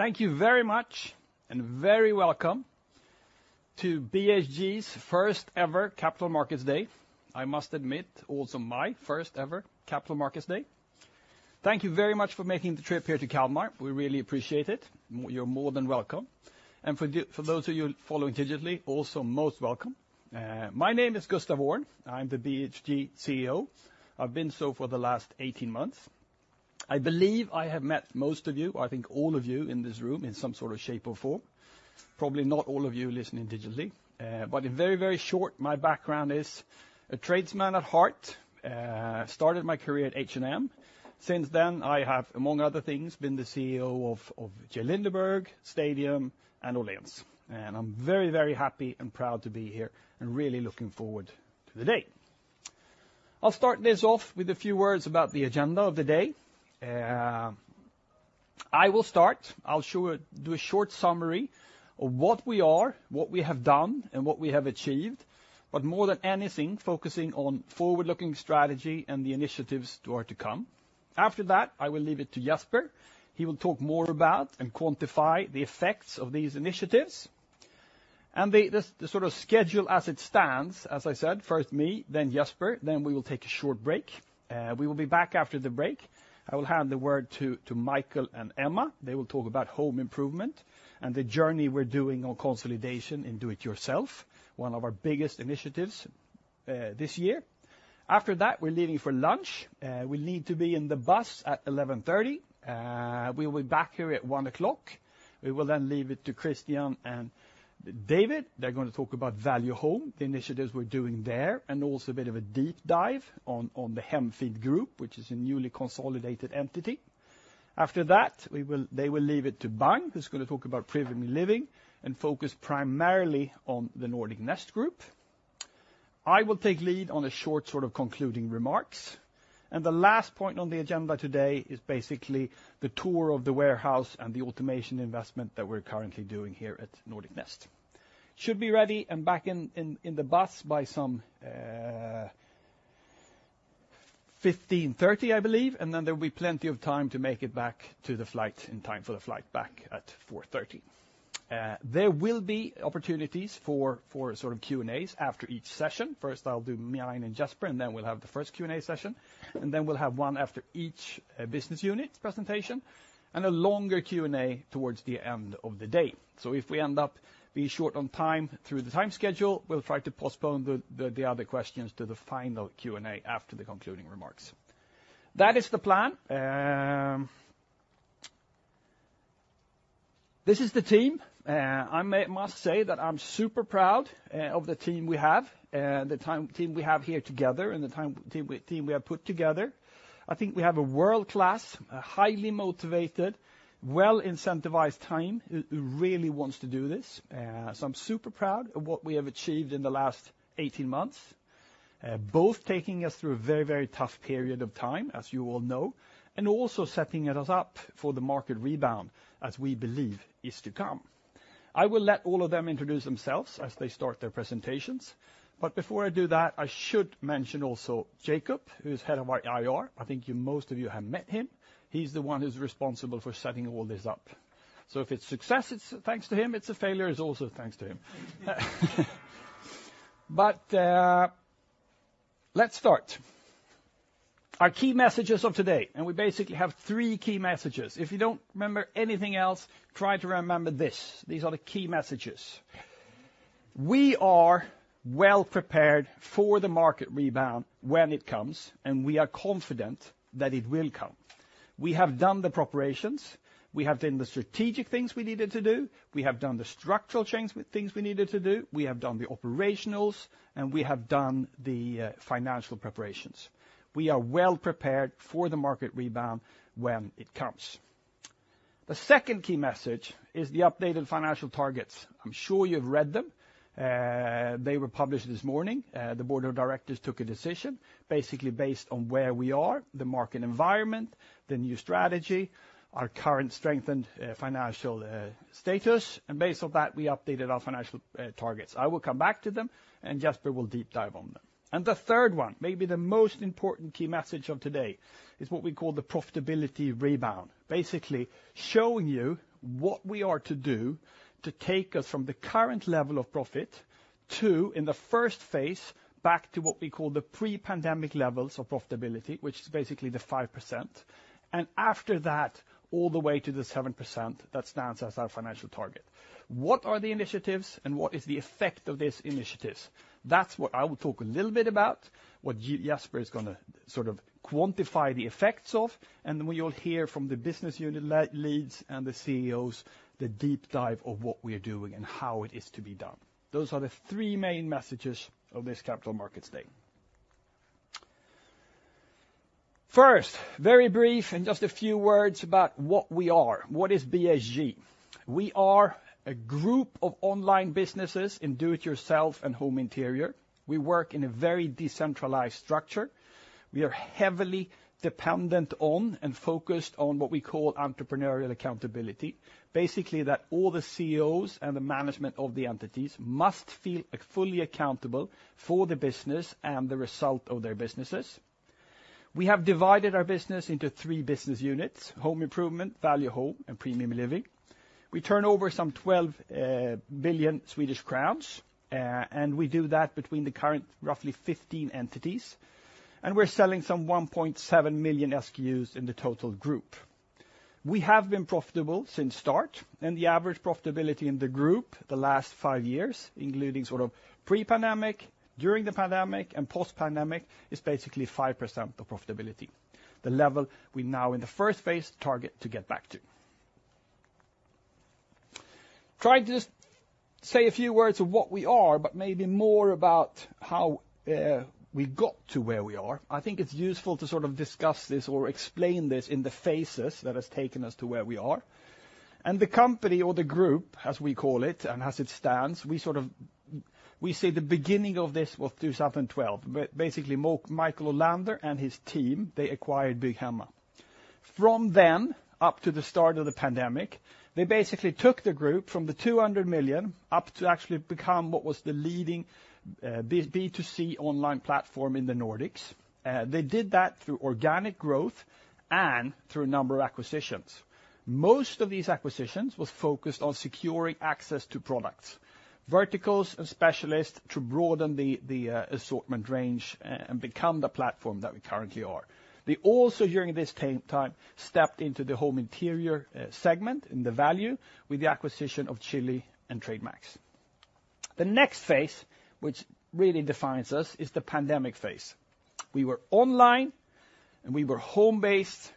Thank you very much and very welcome to BHG's first-ever Capital Markets Day. I must admit, also my first-ever Capital Markets Day. Thank you very much for making the trip here to Kalmar. We really appreciate it. You're more than welcome. For those of you following digitally, also most welcome. My name is Gustaf Öhrn. I'm the BHG CEO. I've been so for the last 18 months. I believe I have met most of you, I think all of you in this room in some sort of shape or form. Probably not all of you listening digitally. But in very, very short, my background is a tradesman at heart. Started my career at H&M. Since then, I have, among other things, been the CEO of J. Lindeberg, Stadium, and Åhléns. I'm very, very happy and proud to be here and really looking forward to the day. I'll start this off with a few words about the agenda of the day. I will start. I'll do a short summary of what we are, what we have done, and what we have achieved, but more than anything focusing on forward-looking strategy and the initiatives that are to come. After that, I will leave it to Jesper. He will talk more about and quantify the effects of these initiatives. The sort of schedule as it stands, as I said, first me, then Jesper, then we will take a short break. We will be back after the break. I will hand the word to Mikael and Emma. They will talk about home improvement and the journey we're doing on consolidation in Do-It-Yourself, one of our biggest initiatives this year. After that, we're leaving for lunch. We'll need to be in the bus at 11:30 A.M. We'll be back here at 1:00 P.M. We will then leave it to Christian and David. They're going to talk about Value Home, the initiatives we're doing there, and also a bit of a deep dive on the Hemfint Group, which is a newly consolidated entity. After that, they will leave it to Bang, who's going to talk about Premium Living and focus primarily on the Nordic Nest Group. I will take lead on a short sort of concluding remarks. The last point on the agenda today is basically the tour of the warehouse and the automation investment that we're currently doing here at Nordic Nest. Should be ready and back in the bus by some 3:30 P.M., I believe, and then there'll be plenty of time to make it back to the flight in time for the flight back at 4:30 P.M. There will be opportunities for sort of Q&As after each session. First, I'll do mine and Jesper, and then we'll have the first Q&A session. And then we'll have one after each business unit's presentation and a longer Q&A towards the end of the day. So if we end up being short on time through the time schedule, we'll try to postpone the other questions to the final Q&A after the concluding remarks. That is the plan. This is the team. I must say that I'm super proud of the team we have, the team we have here together, and the team we have put together. I think we have a world-class, highly motivated, well-incentivized team who really wants to do this. So I'm super proud of what we have achieved in the last 18 months, both taking us through a very, very tough period of time, as you all know, and also setting us up for the market rebound, as we believe is to come. I will let all of them introduce themselves as they start their presentations. But before I do that, I should mention also Jakob, who's head of our IR. I think most of you have met him. He's the one who's responsible for setting all this up. So if it's success, it's thanks to him. If it's a failure, it's also thanks to him. But let's start. Our key messages of today, and we basically have three key messages. If you don't remember anything else, try to remember this. These are the key messages. We are well-prepared for the market rebound when it comes, and we are confident that it will come. We have done the preparations. We have done the strategic things we needed to do. We have done the structural things we needed to do. We have done the operationals, and we have done the financial preparations. We are well-prepared for the market rebound when it comes. The second key message is the updated financial targets. I'm sure you've read them. They were published this morning. The board of directors took a decision basically based on where we are, the market environment, the new strategy, our current strengthened financial status, and based on that, we updated our financial targets. I will come back to them, and Jesper will deep dive on them. The third one, maybe the most important key message of today, is what we call the profitability rebound, basically showing you what we are to do to take us from the current level of profit to, in the first phase, back to what we call the pre-pandemic levels of profitability, which is basically the 5%, and after that all the way to the 7% that stands as our financial target. What are the initiatives, and what is the effect of these initiatives? That's what I will talk a little bit about, what Jesper is going to sort of quantify the effects of, and then we will hear from the business unit leads and the CEOs the deep dive of what we're doing and how it is to be done. Those are the three main messages of this Capital Markets Day. First, very brief and just a few words about what we are. What is BHG? We are a group of online businesses in Do-It-Yourself and home interior. We work in a very decentralized structure. We are heavily dependent on and focused on what we call entrepreneurial accountability, basically that all the CEOs and the management of the entities must feel fully accountable for the business and the result of their businesses. We have divided our business into three business units: Home Improvement, Value Home, and Premium Living. We turn over some 12 billion Swedish crowns, and we do that between the current roughly 15 entities, and we're selling some 1.7 million SKUs in the total group. We have been profitable since start, and the average profitability in the group the last five years, including sort of pre-pandemic, during the pandemic, and post-pandemic, is basically 5% of profitability, the level we now in the first phase target to get back to. Trying to just say a few words of what we are, but maybe more about how we got to where we are. I think it's useful to sort of discuss this or explain this in the phases that has taken us to where we are. The company or the group, as we call it and as it stands, we say the beginning of this was 2012. Basically, Mikael Olander and his team, they acquired Bygghemma. From then up to the start of the pandemic, they basically took the group from 200 million up to actually become what was the leading B2C online platform in the Nordics. They did that through organic growth and through a number of acquisitions. Most of these acquisitions were focused on securing access to products, verticals and specialists to broaden the assortment range and become the platform that we currently are. They also, during this time, stepped into the home interior segment in the value with the acquisition of Chilli and Trademax. The next phase, which really defines us, is the pandemic phase. We were online, and we were home-based.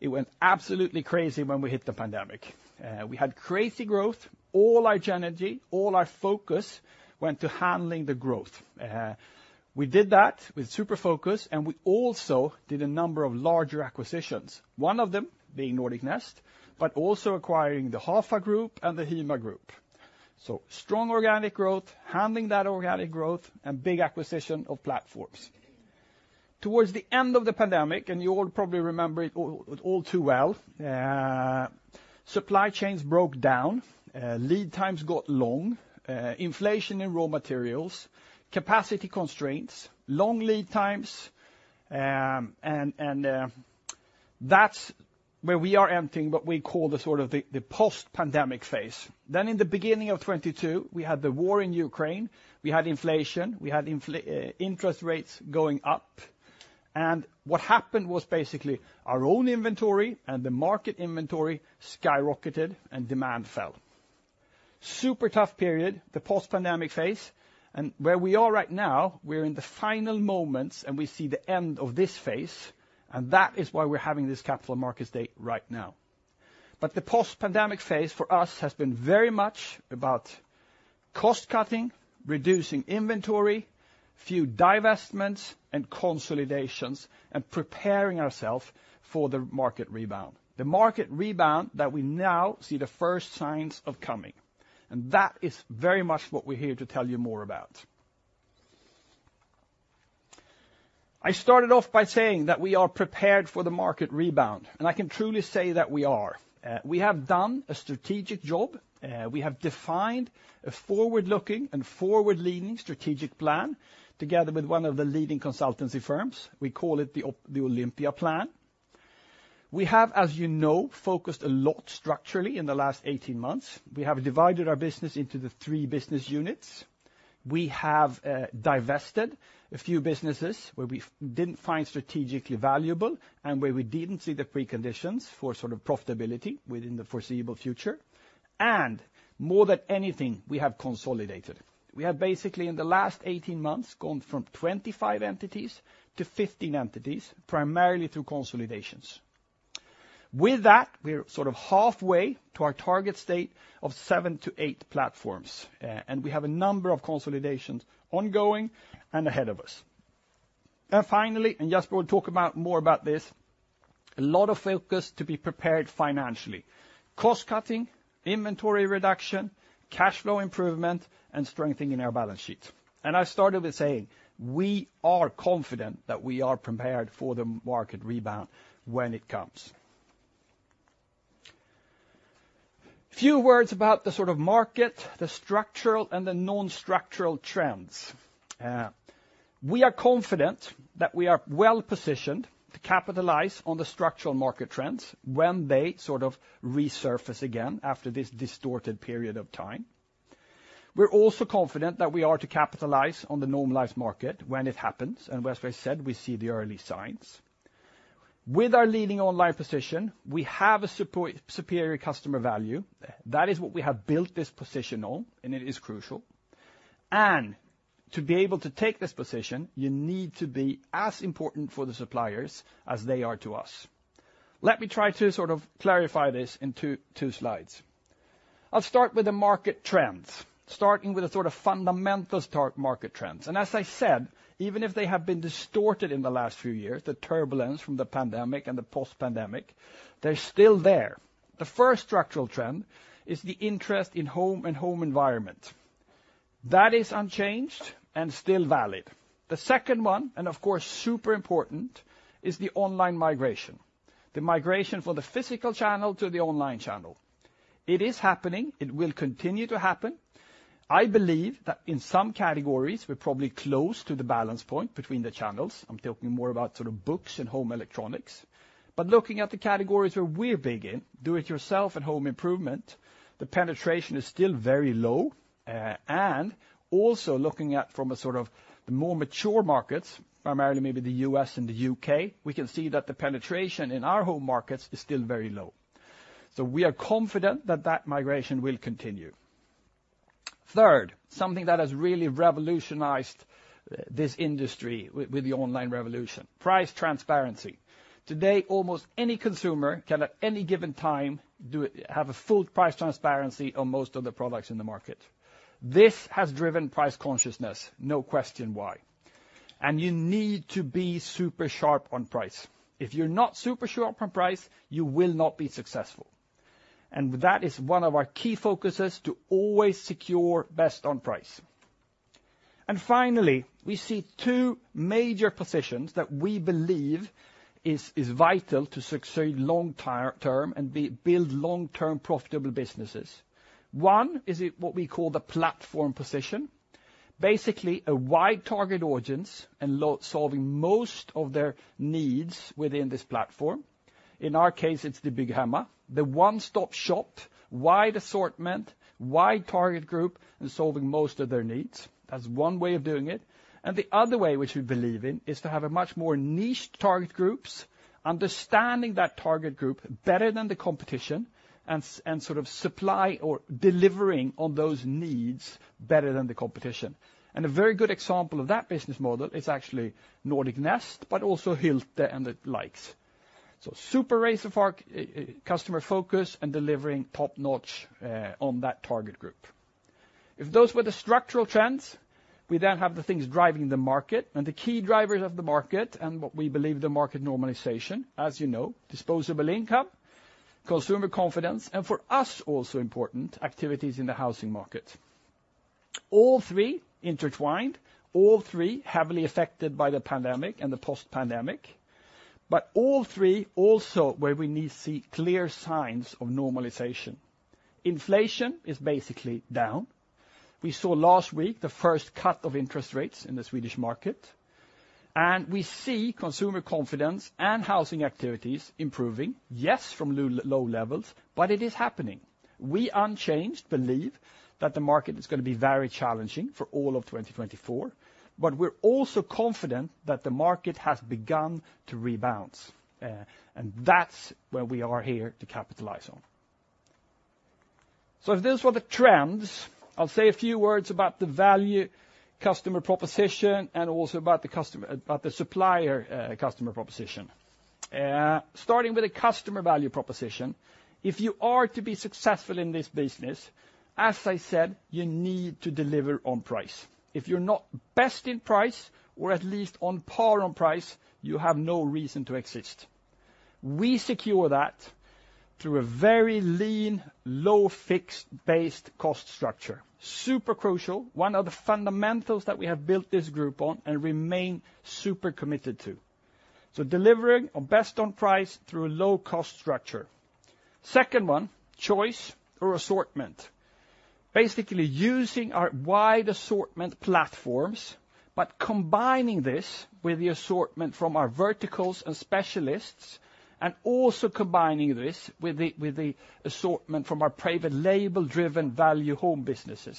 It went absolutely crazy when we hit the pandemic. We had crazy growth. All our energy, all our focus went to handling the growth. We did that with super focus, and we also did a number of larger acquisitions, one of them being Nordic Nest, but also acquiring the Hafa Group and the HYMA Group. So strong organic growth, handling that organic growth, and big acquisition of platforms. Towards the end of the pandemic, and you all probably remember it all too well, supply chains broke down, lead times got long, inflation in raw materials, capacity constraints, long lead times, and that's where we are entering what we call the sort of the post-pandemic phase. Then in the beginning of 2022, we had the war in Ukraine. We had inflation. We had interest rates going up. And what happened was basically our own inventory and the market inventory skyrocketed, and demand fell. Super tough period, the post-pandemic phase. Where we are right now, we're in the final moments, and we see the end of this phase, and that is why we're having this Capital Markets Day right now. But the post-pandemic phase for us has been very much about cost-cutting, reducing inventory, few divestments, and consolidations, and preparing ourselves for the market rebound, the market rebound that we now see the first signs of coming. That is very much what we're here to tell you more about. I started off by saying that we are prepared for the market rebound, and I can truly say that we are. We have done a strategic job. We have defined a forward-looking and forward-leaning strategic plan together with one of the leading consultancy firms. We call it the Olympia Plan. We have, as you know, focused a lot structurally in the last 18 months. We have divided our business into the three business units. We have divested a few businesses where we didn't find strategically valuable and where we didn't see the preconditions for sort of profitability within the foreseeable future. More than anything, we have consolidated. We have basically, in the last 18 months, gone from 25 entities to 15 entities, primarily through consolidations. With that, we're sort of halfway to our target state of 7-8 platforms, and we have a number of consolidations ongoing and ahead of us. Finally, and Jesper will talk more about this, a lot of focus to be prepared financially, cost-cutting, inventory reduction, cash flow improvement, and strengthening in our balance sheet. I started with saying we are confident that we are prepared for the market rebound when it comes. Few words about the sort of market, the structural, and the non-structural trends. We are confident that we are well-positioned to capitalize on the structural market trends when they sort of resurface again after this distorted period of time. We're also confident that we are to capitalize on the normalized market when it happens, and as I said, we see the early signs. With our leading online position, we have a superior customer value. That is what we have built this position on, and it is crucial. To be able to take this position, you need to be as important for the suppliers as they are to us. Let me try to sort of clarify this in two slides. I'll start with the market trends, starting with the sort of fundamental market trends. As I said, even if they have been distorted in the last few years, the turbulence from the pandemic and the post-pandemic, they're still there. The first structural trend is the interest in home and home environment. That is unchanged and still valid. The second one, and of course super important, is the online migration, the migration from the physical channel to the online channel. It is happening. It will continue to happen. I believe that in some categories we're probably close to the balance point between the channels. I'm talking more about sort of books and home electronics. But looking at the categories where we're big in, Do-It-Yourself and home improvement, the penetration is still very low. And also looking at from a sort of the more mature markets, primarily maybe the U.S. and the U.K., we can see that the penetration in our home markets is still very low. So we are confident that that migration will continue. Third, something that has really revolutionized this industry with the online revolution, price transparency. Today, almost any consumer can at any given time have a full price transparency on most of the products in the market. This has driven price consciousness, no question why. You need to be super sharp on price. If you're not super sharp on price, you will not be successful. That is one of our key focuses to always secure best on price. Finally, we see two major positions that we believe are vital to succeed long-term and build long-term profitable businesses. One is what we call the platform position, basically a wide target audience and solving most of their needs within this platform. In our case, it's the Bygghemma, the one-stop shop, wide assortment, wide target group, and solving most of their needs. That's one way of doing it. The other way, which we believe in, is to have much more niched target groups, understanding that target group better than the competition, and sort of supply or delivering on those needs better than the competition. A very good example of that business model is actually Nordic Nest, but also Hylte and the likes. Super niche customer focus and delivering top-notch on that target group. If those were the structural trends, we then have the things driving the market and the key drivers of the market and what we believe the market normalization, as you know, disposable income, consumer confidence, and for us also important, activities in the housing market. All three intertwined, all three heavily affected by the pandemic and the post-pandemic, but all three also where we see clear signs of normalization. Inflation is basically down. We saw last week the first cut of interest rates in the Swedish market, and we see consumer confidence and housing activities improving, yes, from low levels, but it is happening. We unchanged believe that the market is going to be very challenging for all of 2024, but we're also confident that the market has begun to rebound, and that's where we are here to capitalize on. So if those were the trends, I'll say a few words about the value customer proposition and also about the supplier customer proposition. Starting with a customer value proposition, if you are to be successful in this business, as I said, you need to deliver on price. If you're not best in price or at least on par on price, you have no reason to exist. We secure that through a very lean, low-fixed-based cost structure, super crucial, one of the fundamentals that we have built this group on and remain super committed to. So delivering our best on price through a low-cost structure. Second one, choice or assortment, basically using our wide assortment platforms, but combining this with the assortment from our verticals and specialists, and also combining this with the assortment from our private label-driven Value Home businesses.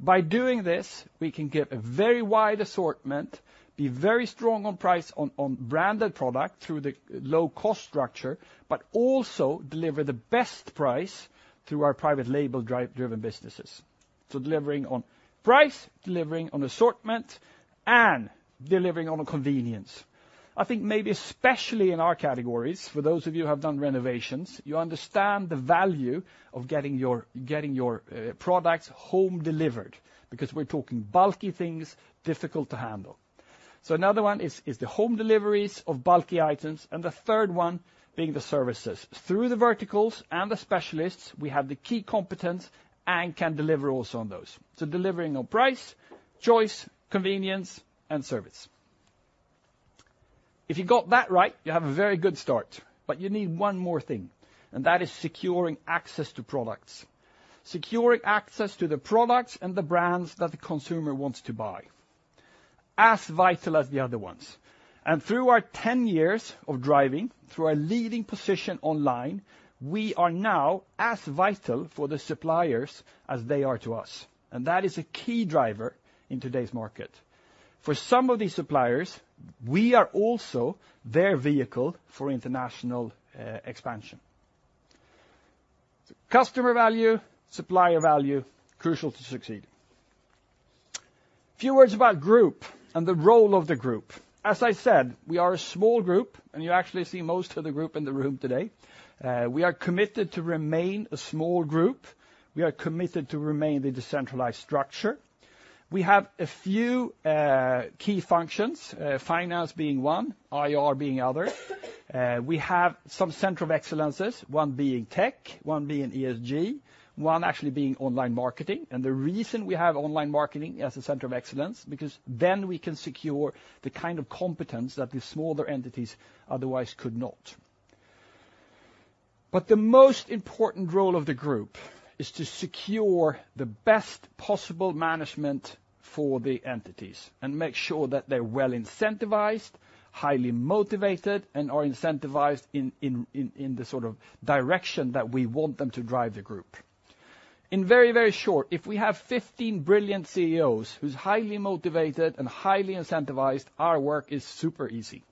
By doing this, we can get a very wide assortment, be very strong on price on branded products through the low-cost structure, but also deliver the best price through our private label-driven businesses. So delivering on price, delivering on assortment, and delivering on convenience. I think maybe especially in our categories, for those of you who have done renovations, you understand the value of getting your products home delivered because we're talking bulky things, difficult to handle. So another one is the home deliveries of bulky items, and the third one being the services. Through the verticals and the specialists, we have the key competence and can deliver also on those. So delivering on price, choice, convenience, and service. If you got that right, you have a very good start, but you need one more thing, and that is securing access to products, securing access to the products and the brands that the consumer wants to buy, as vital as the other ones. Through our 10 years of driving, through our leading position online, we are now as vital for the suppliers as they are to us, and that is a key driver in today's market. For some of these suppliers, we are also their vehicle for international expansion. Customer value, supplier value, crucial to succeed. Few words about group and the role of the group. As I said, we are a small group, and you actually see most of the group in the room today. We are committed to remain a small group. We are committed to remain the decentralized structure. We have a few key functions, finance being one, IR being other. We have some centers of excellence, one being tech, one being ESG, one actually being online marketing. The reason we have online marketing as a center of excellence is because then we can secure the kind of competence that the smaller entities otherwise could not. But the most important role of the group is to secure the best possible management for the entities and make sure that they're well incentivized, highly motivated, and are incentivized in the sort of direction that we want them to drive the group. In very, very short, if we have 15 brilliant CEOs who are highly motivated and highly incentivized, our work is super easy.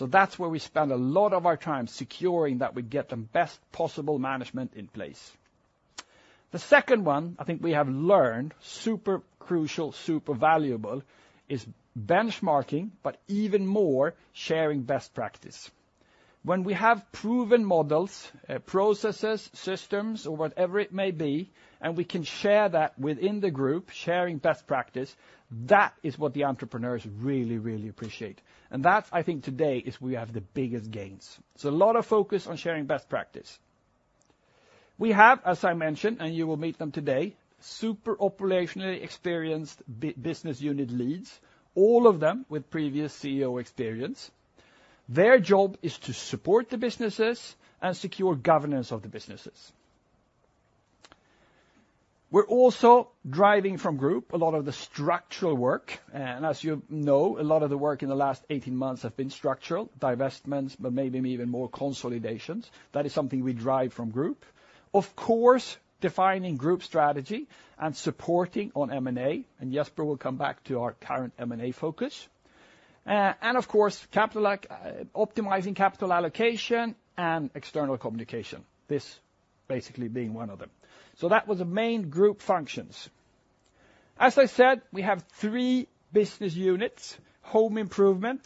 That's where we spend a lot of our time securing that we get the best possible management in place. The second one I think we have learned, super crucial, super valuable, is benchmarking, but even more, sharing best practice. When we have proven models, processes, systems, or whatever it may be, and we can share that within the group, sharing best practice, that is what the entrepreneurs really, really appreciate. And that's, I think, today is where we have the biggest gains. So a lot of focus on sharing best practice. We have, as I mentioned, and you will meet them today, super operationally experienced business unit leads, all of them with previous CEO experience. Their job is to support the businesses and secure governance of the businesses. We're also driving from group a lot of the structural work, and as you know, a lot of the work in the last 18 months has been structural, divestments, but maybe even more consolidations. That is something we drive from group. Of course, defining group strategy and supporting on M&A, and Jesper will come back to our current M&A focus. And of course, optimizing capital allocation and external communication, this basically being one of them. So that was the main group functions. As I said, we have three business units: Home Improvement,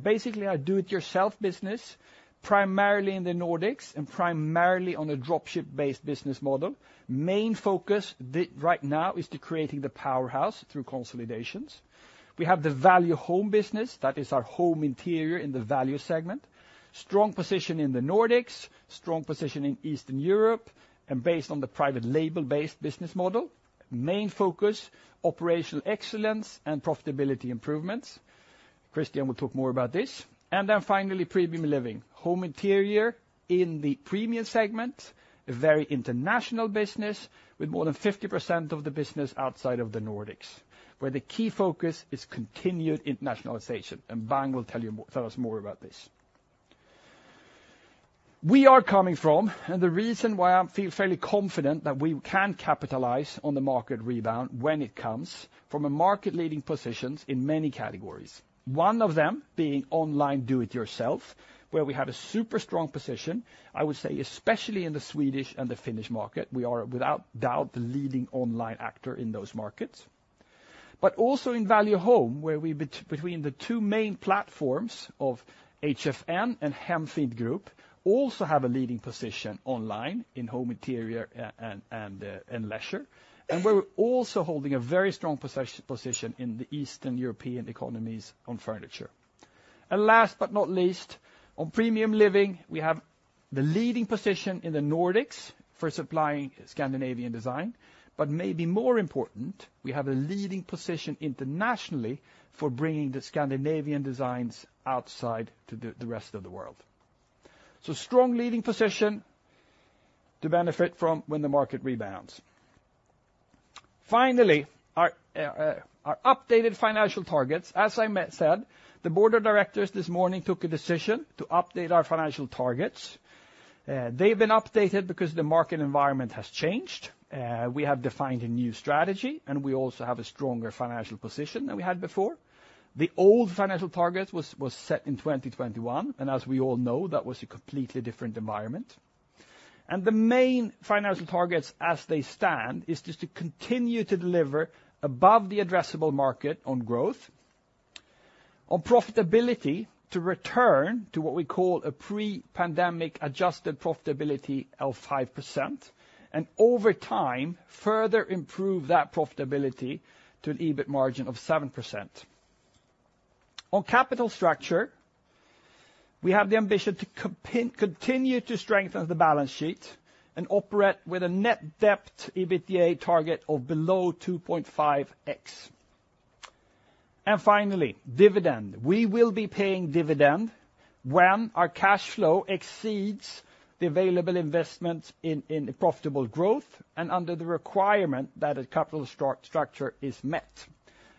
basically our Do-It-Yourself business, primarily in the Nordics, and primarily on a dropship-based business model. Main focus right now is creating the powerhouse through consolidations. We have the Value Home business, that is our home interior in the value segment, strong position in the Nordics, strong position in Eastern Europe, and based on the private label-based business model, main focus operational excellence and profitability improvements. Christian will talk more about this. And then finally, Premium Living, home interior in the premium segment, a very international business with more than 50% of the business outside of the Nordics, where the key focus is continued internationalization, and Bang will tell us more about this. We are coming from, and the reason why I feel fairly confident that we can capitalize on the market rebound when it comes, from a market-leading position in many categories, one of them being online Do-It-Yourself, where we have a super strong position, I would say especially in the Swedish and the Finnish market. We are without doubt the leading online actor in those markets. But also in Value Home, where we between the two main platforms of HFN and Hemfint Group also have a leading position online in home interior and leisure, and where we're also holding a very strong position in the Eastern European economies on furniture. Last but not least, on Premium Living, we have the leading position in the Nordics for supplying Scandinavian design, but maybe more important, we have a leading position internationally for bringing the Scandinavian designs outside to the rest of the world. So strong leading position to benefit from when the market rebounds. Finally, our updated financial targets, as I said, the board of directors this morning took a decision to update our financial targets. They've been updated because the market environment has changed, we have defined a new strategy, and we also have a stronger financial position than we had before. The old financial target was set in 2021, and as we all know, that was a completely different environment. The main financial targets as they stand is just to continue to deliver above the addressable market on growth, on profitability to return to what we call a pre-pandemic adjusted profitability of 5%, and over time further improve that profitability to an EBIT margin of 7%. On capital structure, we have the ambition to continue to strengthen the balance sheet and operate with a net debt EBITDA target of below 2.5x. And finally, dividend, we will be paying dividend when our cash flow exceeds the available investment in profitable growth and under the requirement that a capital structure is met,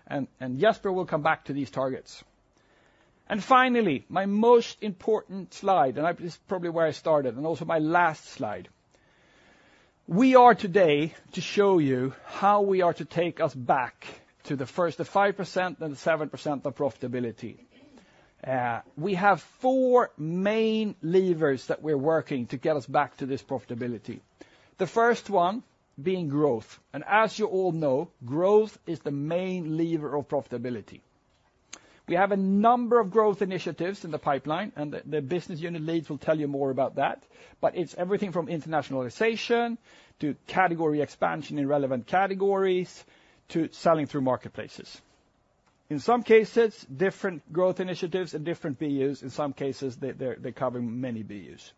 and Jesper will come back to these targets. And finally, my most important slide, and this is probably where I started, and also my last slide, we are today to show you how we are to take us back to the first, the 5%, then the 7% of profitability. We have 4 main levers that we're working to get us back to this profitability. The first one being growth, and as you all know, growth is the main lever of profitability. We have a number of growth initiatives in the pipeline, and the business unit leads will tell you more about that, but it's everything from internationalization to category expansion in relevant categories to selling through marketplaces. In some cases, different growth initiatives and different BUs, in some cases they're covering many BUs.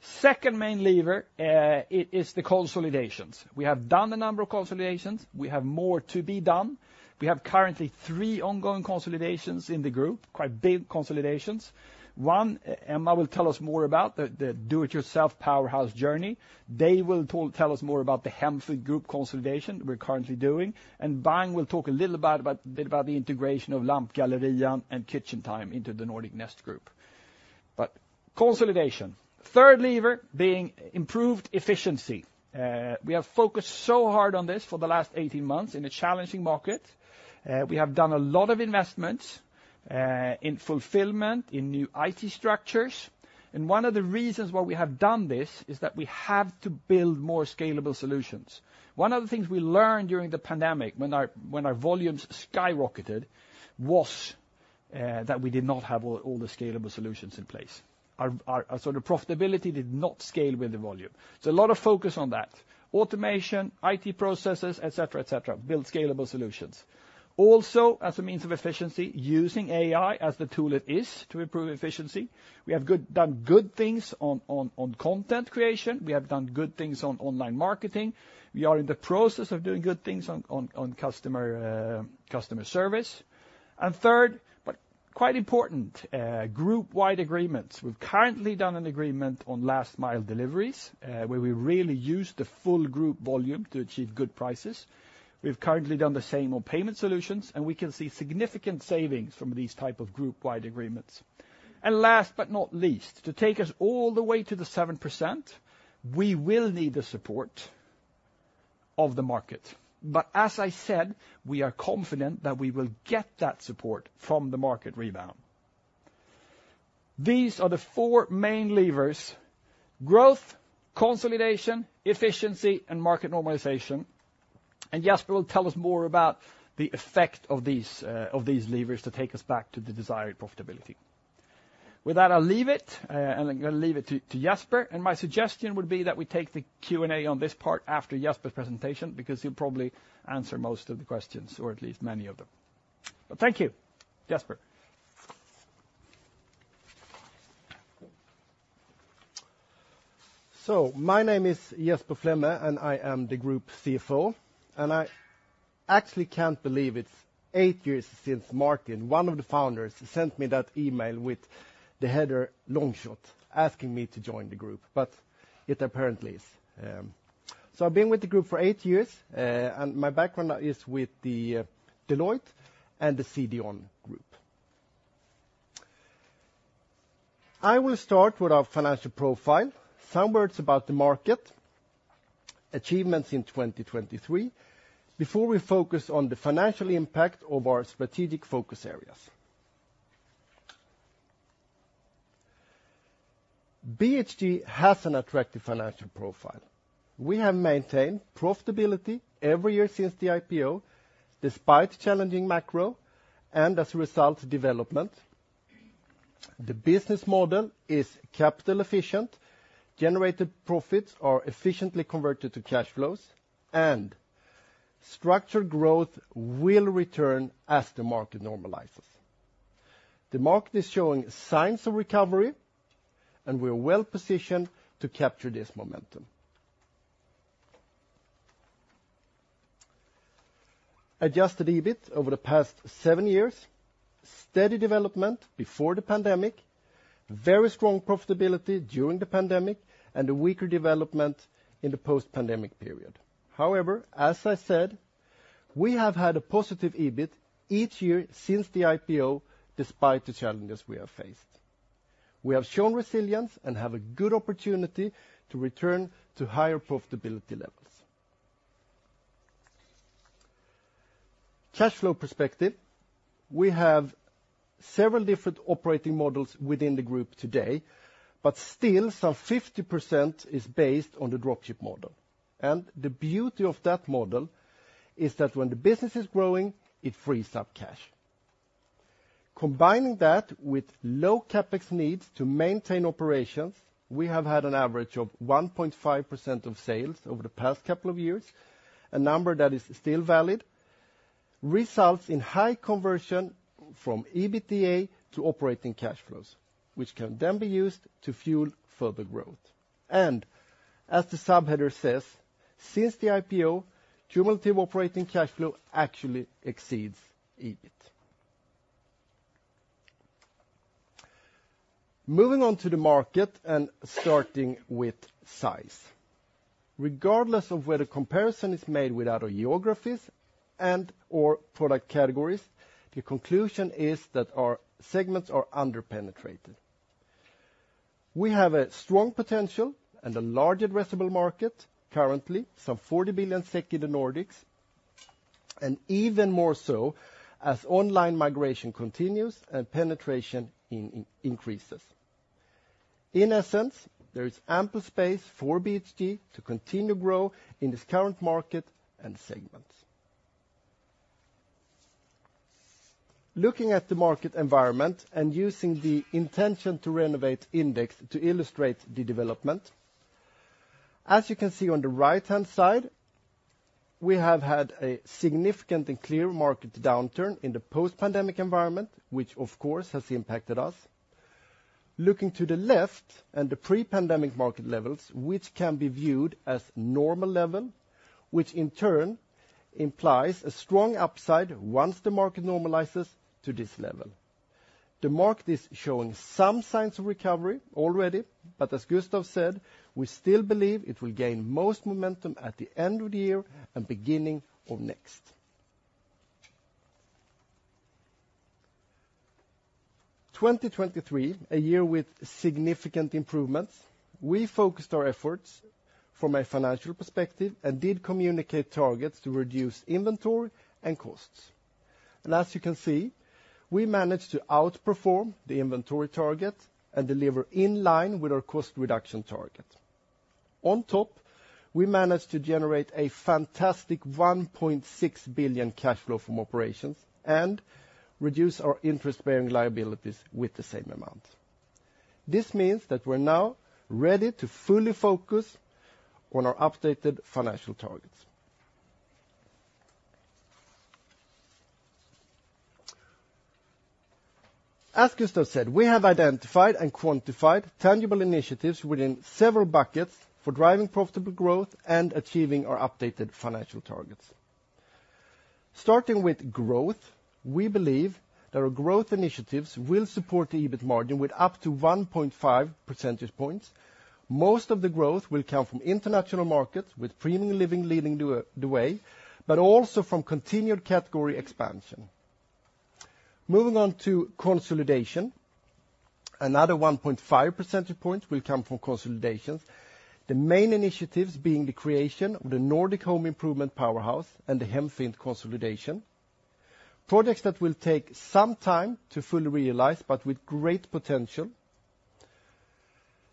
Second main lever is the consolidations. We have done a number of consolidations, we have more to be done. We have currently 3 ongoing consolidations in the group, quite big consolidations. One, Emma will tell us more about the Do-It-Yourself powerhouse journey. They will tell us more about the Hemfint Group consolidation we're currently doing, and Bang will talk a little bit about the integration of Lampgallerian and KitchenTime into the Nordic Nest Group. But consolidation, third lever being improved efficiency. We have focused so hard on this for the last 18 months in a challenging market. We have done a lot of investments in fulfillment, in new IT structures, and one of the reasons why we have done this is that we have to build more scalable solutions. One of the things we learned during the pandemic when our volumes skyrocketed was that we did not have all the scalable solutions in place. Our sort of profitability did not scale with the volume. So a lot of focus on that, automation, IT processes, etc., etc., build scalable solutions. Also, as a means of efficiency, using AI as the tool it is to improve efficiency. We have done good things on content creation, we have done good things on online marketing, we are in the process of doing good things on customer service. And third, but quite important, group-wide agreements. We've currently done an agreement on last-mile deliveries where we really use the full group volume to achieve good prices. We've currently done the same on payment solutions, and we can see significant savings from these types of group-wide agreements. And last but not least, to take us all the way to the 7%, we will need the support of the market. But as I said, we are confident that we will get that support from the market rebound. These are the four main levers: growth, consolidation, efficiency, and market normalization. Jesper will tell us more about the effect of these levers to take us back to the desired profitability. With that, I'll leave it, and I'm going to leave it to Jesper. My suggestion would be that we take the Q&A on this part after Jesper's presentation because he'll probably answer most of the questions, or at least many of them. But thank you, Jesper. My name is Jesper Flemme, and I am the Group CFO. I actually can't believe it's eight years since Martin, one of the founders, sent me that email with the header "long shot" asking me to join the group, but it apparently is. I've been with the group for eight years, and my background is with Deloitte and the CDON Group. I will start with our financial profile, some words about the market, achievements in 2023, before we focus on the financial impact of our strategic focus areas. BHG has an attractive financial profile. We have maintained profitability every year since the IPO despite challenging macro and, as a result, development. The business model is capital-efficient, generated profits are efficiently converted to cash flows, and structured growth will return as the market normalizes. The market is showing signs of recovery, and we're well positioned to capture this momentum. Adjusted EBIT over the past seven years, steady development before the pandemic, very strong profitability during the pandemic, and a weaker development in the post-pandemic period. However, as I said, we have had a positive EBIT each year since the IPO despite the challenges we have faced. We have shown resilience and have a good opportunity to return to higher profitability levels. Cash flow perspective, we have several different operating models within the group today, but still some 50% is based on the dropship model. The beauty of that model is that when the business is growing, it frees up cash. Combining that with low CapEx needs to maintain operations, we have had an average of 1.5% of sales over the past couple of years, a number that is still valid, results in high conversion from EBITDA to operating cash flows, which can then be used to fuel further growth. As the subheader says, since the IPO, cumulative operating cash flow actually exceeds EBIT. Moving on to the market and starting with size. Regardless of whether comparison is made with other geographies and/or product categories, the conclusion is that our segments are under-penetrated. We have a strong potential and a large addressable market currently, some 40 billion SEK in the Nordics, and even more so as online migration continues and penetration increases. In essence, there is ample space for BHG to continue grow in this current market and segments. Looking at the market environment and using the intention to renovate index to illustrate the development, as you can see on the right-hand side, we have had a significant and clear market downturn in the post-pandemic environment, which of course has impacted us. Looking to the left and the pre-pandemic market levels, which can be viewed as normal level, which in turn implies a strong upside once the market normalizes to this level. The market is showing some signs of recovery already, but as Gustaf said, we still believe it will gain most momentum at the end of the year and beginning of next. 2023, a year with significant improvements. We focused our efforts from a financial perspective and did communicate targets to reduce inventory and costs. And as you can see, we managed to outperform the inventory target and deliver in line with our cost reduction target. On top, we managed to generate a fantastic 1.6 billion cash flow from operations and reduce our interest-bearing liabilities with the same amount. This means that we're now ready to fully focus on our updated financial targets. As Gustav said, we have identified and quantified tangible initiatives within several buckets for driving profitable growth and achieving our updated financial targets. Starting with growth, we believe that our growth initiatives will support the EBIT margin with up to 1.5 percentage points. Most of the growth will come from international markets with Premium Living leading the way, but also from continued category expansion. Moving on to consolidation, another 1.5 percentage points will come from consolidations, the main initiatives being the creation of the Nordic Home Improvement Powerhouse and the Hemfint consolidation, projects that will take some time to fully realize but with great potential.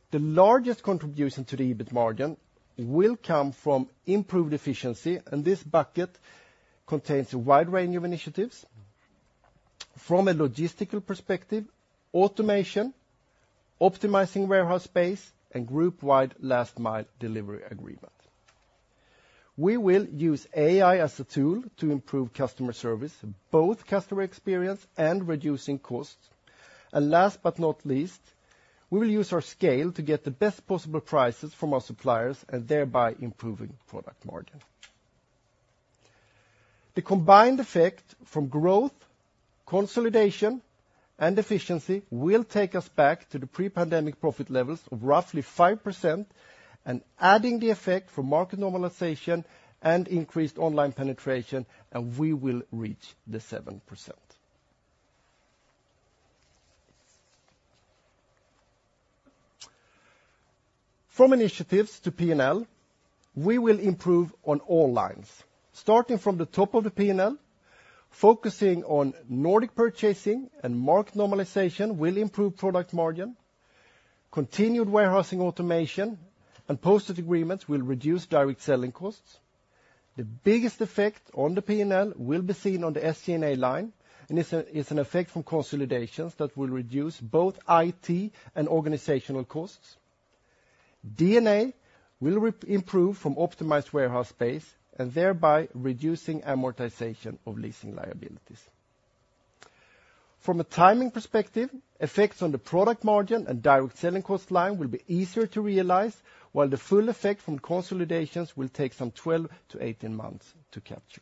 The largest contribution to the EBIT margin will come from improved efficiency, and this bucket contains a wide range of initiatives. From a logistical perspective, automation, optimizing warehouse space, and group-wide last-mile delivery agreement. We will use AI as a tool to improve customer service, both customer experience and reducing costs. Last but not least, we will use our scale to get the best possible prices from our suppliers and thereby improving product margin. The combined effect from growth, consolidation, and efficiency will take us back to the pre-pandemic profit levels of roughly 5%, and adding the effect from market normalization and increased online penetration, we will reach the 7%. From initiatives to P&L, we will improve on all lines. Starting from the top of the P&L, focusing on Nordic purchasing and market normalization will improve product margin. Continued warehousing automation and posted agreements will reduce direct selling costs. The biggest effect on the P&L will be seen on the SG&A line, and it's an effect from consolidations that will reduce both IT and organizational costs. D&A will improve from optimized warehouse space and thereby reducing amortization of leasing liabilities. From a timing perspective, effects on the product margin and direct selling cost line will be easier to realize, while the full effect from consolidations will take some 12-18 months to capture.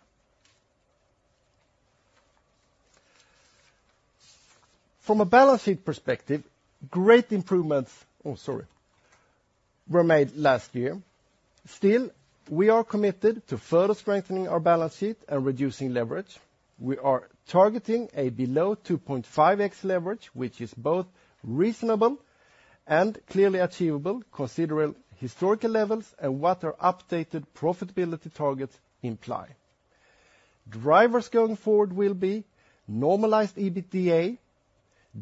From a balance sheet perspective, great improvements were made last year. Still, we are committed to further strengthening our balance sheet and reducing leverage. We are targeting a below 2.5x leverage, which is both reasonable and clearly achievable considering historical levels and what our updated profitability targets imply. Drivers going forward will be normalized EBITDA,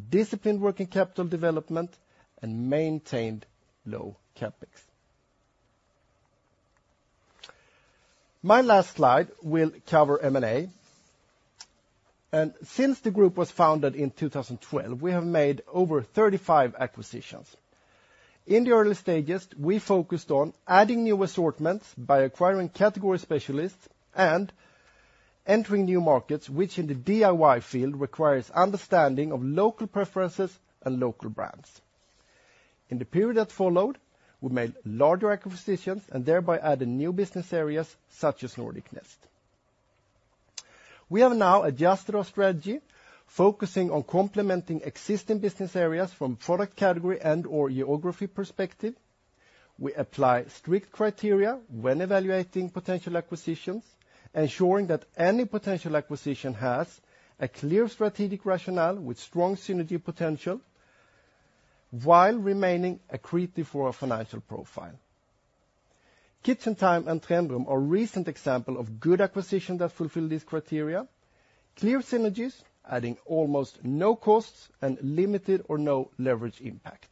disciplined working capital development, and maintained low CapEx. My last slide will cover M&A. Since the group was founded in 2012, we have made over 35 acquisitions. In the early stages, we focused on adding new assortments by acquiring category specialists and entering new markets, which in the DIY field requires understanding of local preferences and local brands. In the period that followed, we made larger acquisitions and thereby added new business areas such as Nordic Nest. We have now adjusted our strategy, focusing on complementing existing business areas from product category and/or geography perspective. We apply strict criteria when evaluating potential acquisitions, ensuring that any potential acquisition has a clear strategic rationale with strong synergy potential while remaining accretive for our financial profile. KitchenTime and Trendrum are recent examples of good acquisitions that fulfill these criteria, clear synergies adding almost no costs and limited or no leverage impact.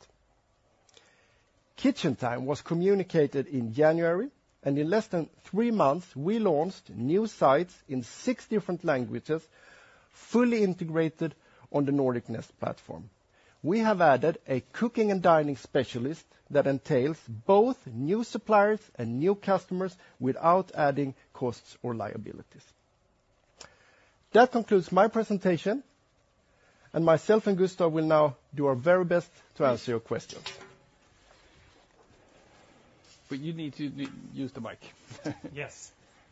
KitchenTime was communicated in January, and in less than three months, we launched new sites in six different languages fully integrated on the Nordic Nest platform. We have added a cooking and dining specialist that entails both new suppliers and new customers without adding costs or liabilities. That concludes my presentation, and myself and Gustaf will now do our very best to answer your questions. But you need to use the mic. Yes.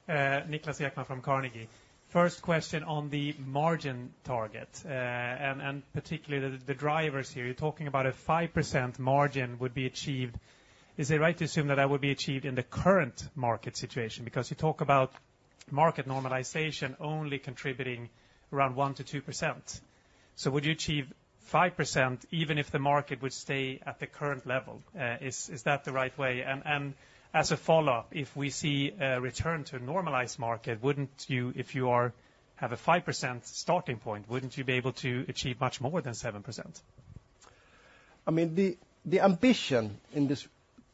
Niklas Ekman from Carnegie. First question on the margin target and particularly the drivers here. You're talking about a 5% margin would be achieved. Is it right to assume that that would be achieved in the current market situation? Because you talk about market normalization only contributing around 1%-2%. So would you achieve 5% even if the market would stay at the current level? Is that the right way? And as a follow-up, if we see a return to a normalized market, if you have a 5% starting point, wouldn't you be able to achieve much more than 7%? I mean, the ambition in this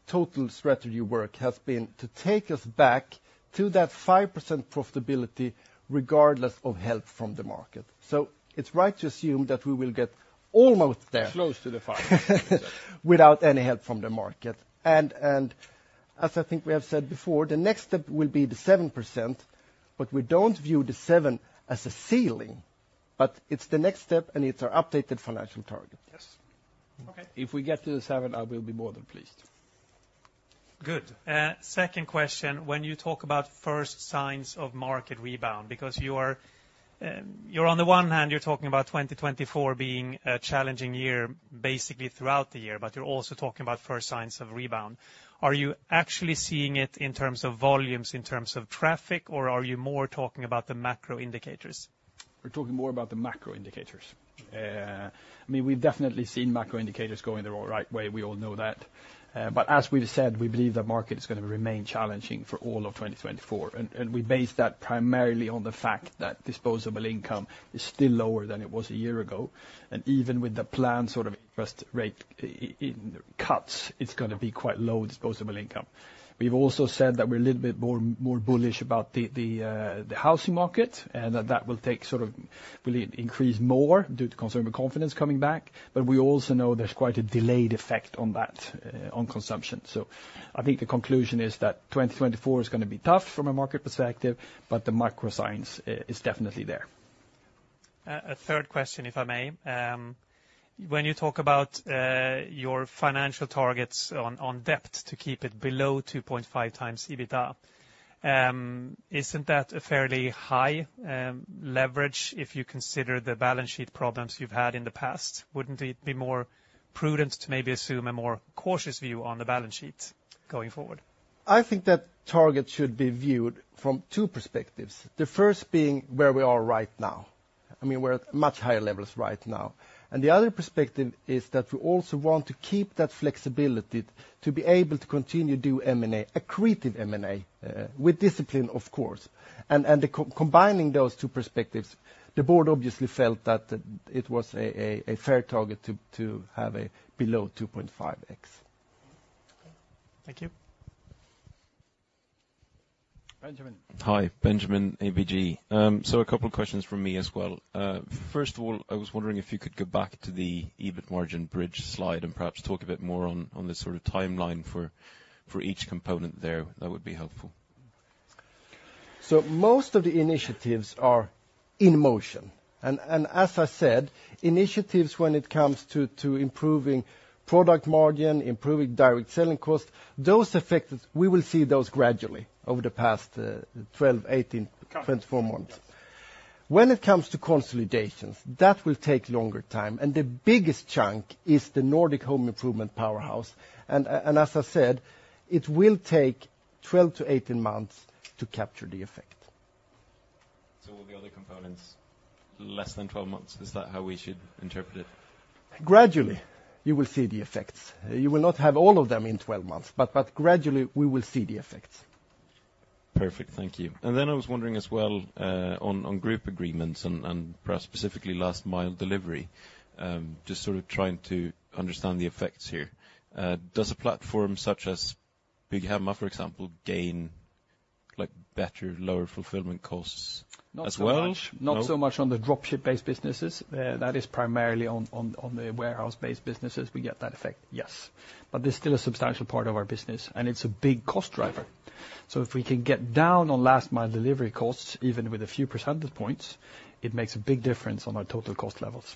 total strategy work has been to take us back to that 5% profitability regardless of help from the market. So it's right to assume that we will get almost there. Close to the 5%. Without any help from the market. As I think we have said before, the next step will be the 7%, but we don't view the 7% as a ceiling, but it's the next step, and it's our updated financial target. Yes. Okay. If we get to the 7%, I will be more than pleased. Good. Second question, when you talk about first signs of market rebound, because on the one hand, you're talking about 2024 being a challenging year basically throughout the year, but you're also talking about first signs of rebound. Are you actually seeing it in terms of volumes, in terms of traffic, or are you more talking about the macro indicators? We're talking more about the macro indicators. I mean, we've definitely seen macro indicators going the right way. We all know that. But as we've said, we believe the market is going to remain challenging for all of 2024, and we base that primarily on the fact that disposable income is still lower than it was a year ago. Even with the planned sort of interest rate cuts, it's going to be quite low disposable income. We've also said that we're a little bit more bullish about the housing market and that that will increase more due to consumer confidence coming back. But we also know there's quite a delayed effect on consumption. So I think the conclusion is that 2024 is going to be tough from a market perspective, but the macro signs are definitely there. A third question, if I may. When you talk about your financial targets on debt to keep it below 2.5x EBITDA, isn't that a fairly high leverage if you consider the balance sheet problems you've had in the past? Wouldn't it be more prudent to maybe assume a more cautious view on the balance sheet going forward? I think that target should be viewed from two perspectives, the first being where we are right now. I mean, we're at much higher levels right now. The other perspective is that we also want to keep that flexibility to be able to continue to do M&A, accretive M&A with discipline, of course. Combining those two perspectives, the board obviously felt that it was a fair target to have a below 2.5x. Thank you. Benjamin. Hi, Benjamin, ABG. So a couple of questions from me as well. First of all, I was wondering if you could go back to the EBIT margin bridge slide and perhaps talk a bit more on this sort of timeline for each component there. That would be helpful. So most of the initiatives are in motion. As I said, initiatives when it comes to improving product margin, improving direct selling costs, we will see those gradually over the past 12, 18, 24 months. When it comes to consolidations, that will take longer time. The biggest chunk is the Nordic Home Improvement Powerhouse. As I said, it will take 12-18 months to capture the effect. Will the other components less than 12 months? Is that how we should interpret it? Gradually, you will see the effects. You will not have all of them in 12 months, but gradually, we will see the effects. Perfect. Thank you. Then I was wondering as well on group agreements and perhaps specifically last-mile delivery, just sort of trying to understand the effects here. Does a platform such as Bygghemma, for example, gain better, lower fulfillment costs as well? Not so much on the dropship-based businesses. That is primarily on the warehouse-based businesses. We get that effect, yes. But there's still a substantial part of our business, and it's a big cost driver. So if we can get down on last-mile delivery costs, even with a few percentage points, it makes a big difference on our total cost levels.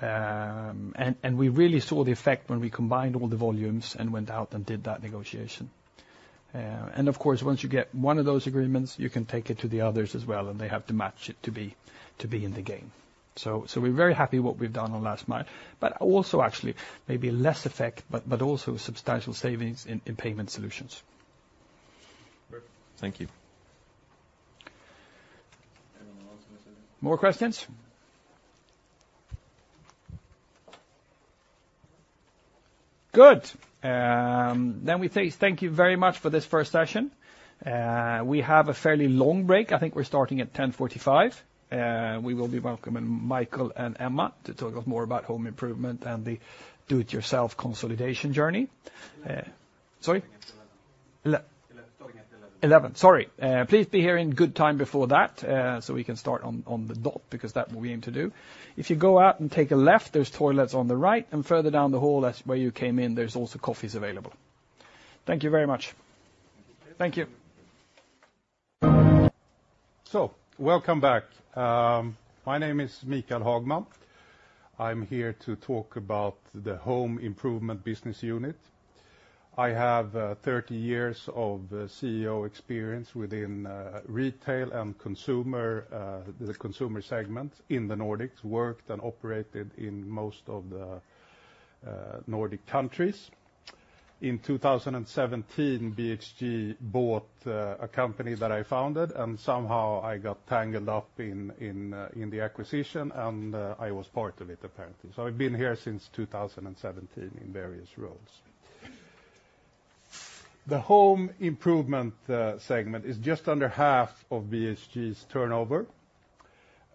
And we really saw the effect when we combined all the volumes and went out and did that negotiation. And of course, once you get one of those agreements, you can take it to the others as well, and they have to match it to be in the game. So we're very happy with what we've done on last mile, but also actually maybe less effect, but also substantial savings in payment solutions. Perfect. Thank you. More questions? Good. Then we say thank you very much for this first session. We have a fairly long break. I think we're starting at 10:45 A.M. We will be welcoming Mikael and Emma to talk us more about home improvement and theDo-It-Yourself consolidation journey. Sorry? 11:00. Sorry. Please be here in good time before that so we can start on the dot because that's what we aim to do. If you go out and take a left, there's toilets on the right. And further down the hall, where you came in, there's also coffees available. Thank you very much. Thank you. Thank you. Welcome back. My name is Mikael Hagman. I'm here to talk about the Home Improvement business unit. I have 30 years of CEO experience within retail and the consumer segment in the Nordics, worked and operated in most of the Nordic countries. In 2017, BHG bought a company that I founded, and somehow I got tangled up in the acquisition, and I was part of it, apparently. I've been here since 2017 in various roles. The Home Improvement segment is just under half of BHG's turnover.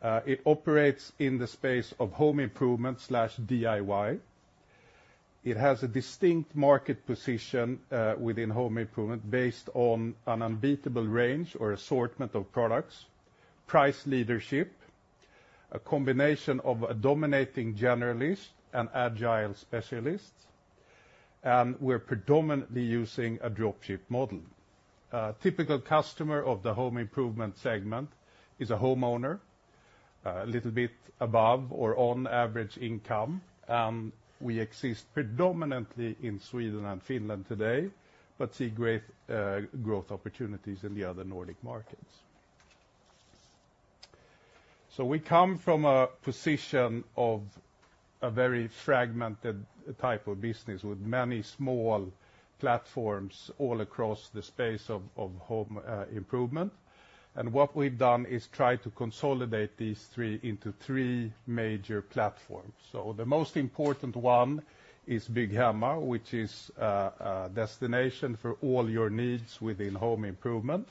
It operates in the space of home improvement/DIY. It has a distinct market position within home improvement based on an unbeatable range or assortment of products, price leadership, a combination of a dominating generalist and agile specialist. We're predominantly using a dropship model. A typical customer of the home improvement segment is a homeowner, a little bit above or on average income. We exist predominantly in Sweden and Finland today, but see great growth opportunities in the other Nordic markets. We come from a position of a very fragmented type of business with many small platforms all across the space of home improvement. What we've done is try to consolidate these three into three major platforms. The most important one is Bygghemma, which is a destination for all your needs within home improvement.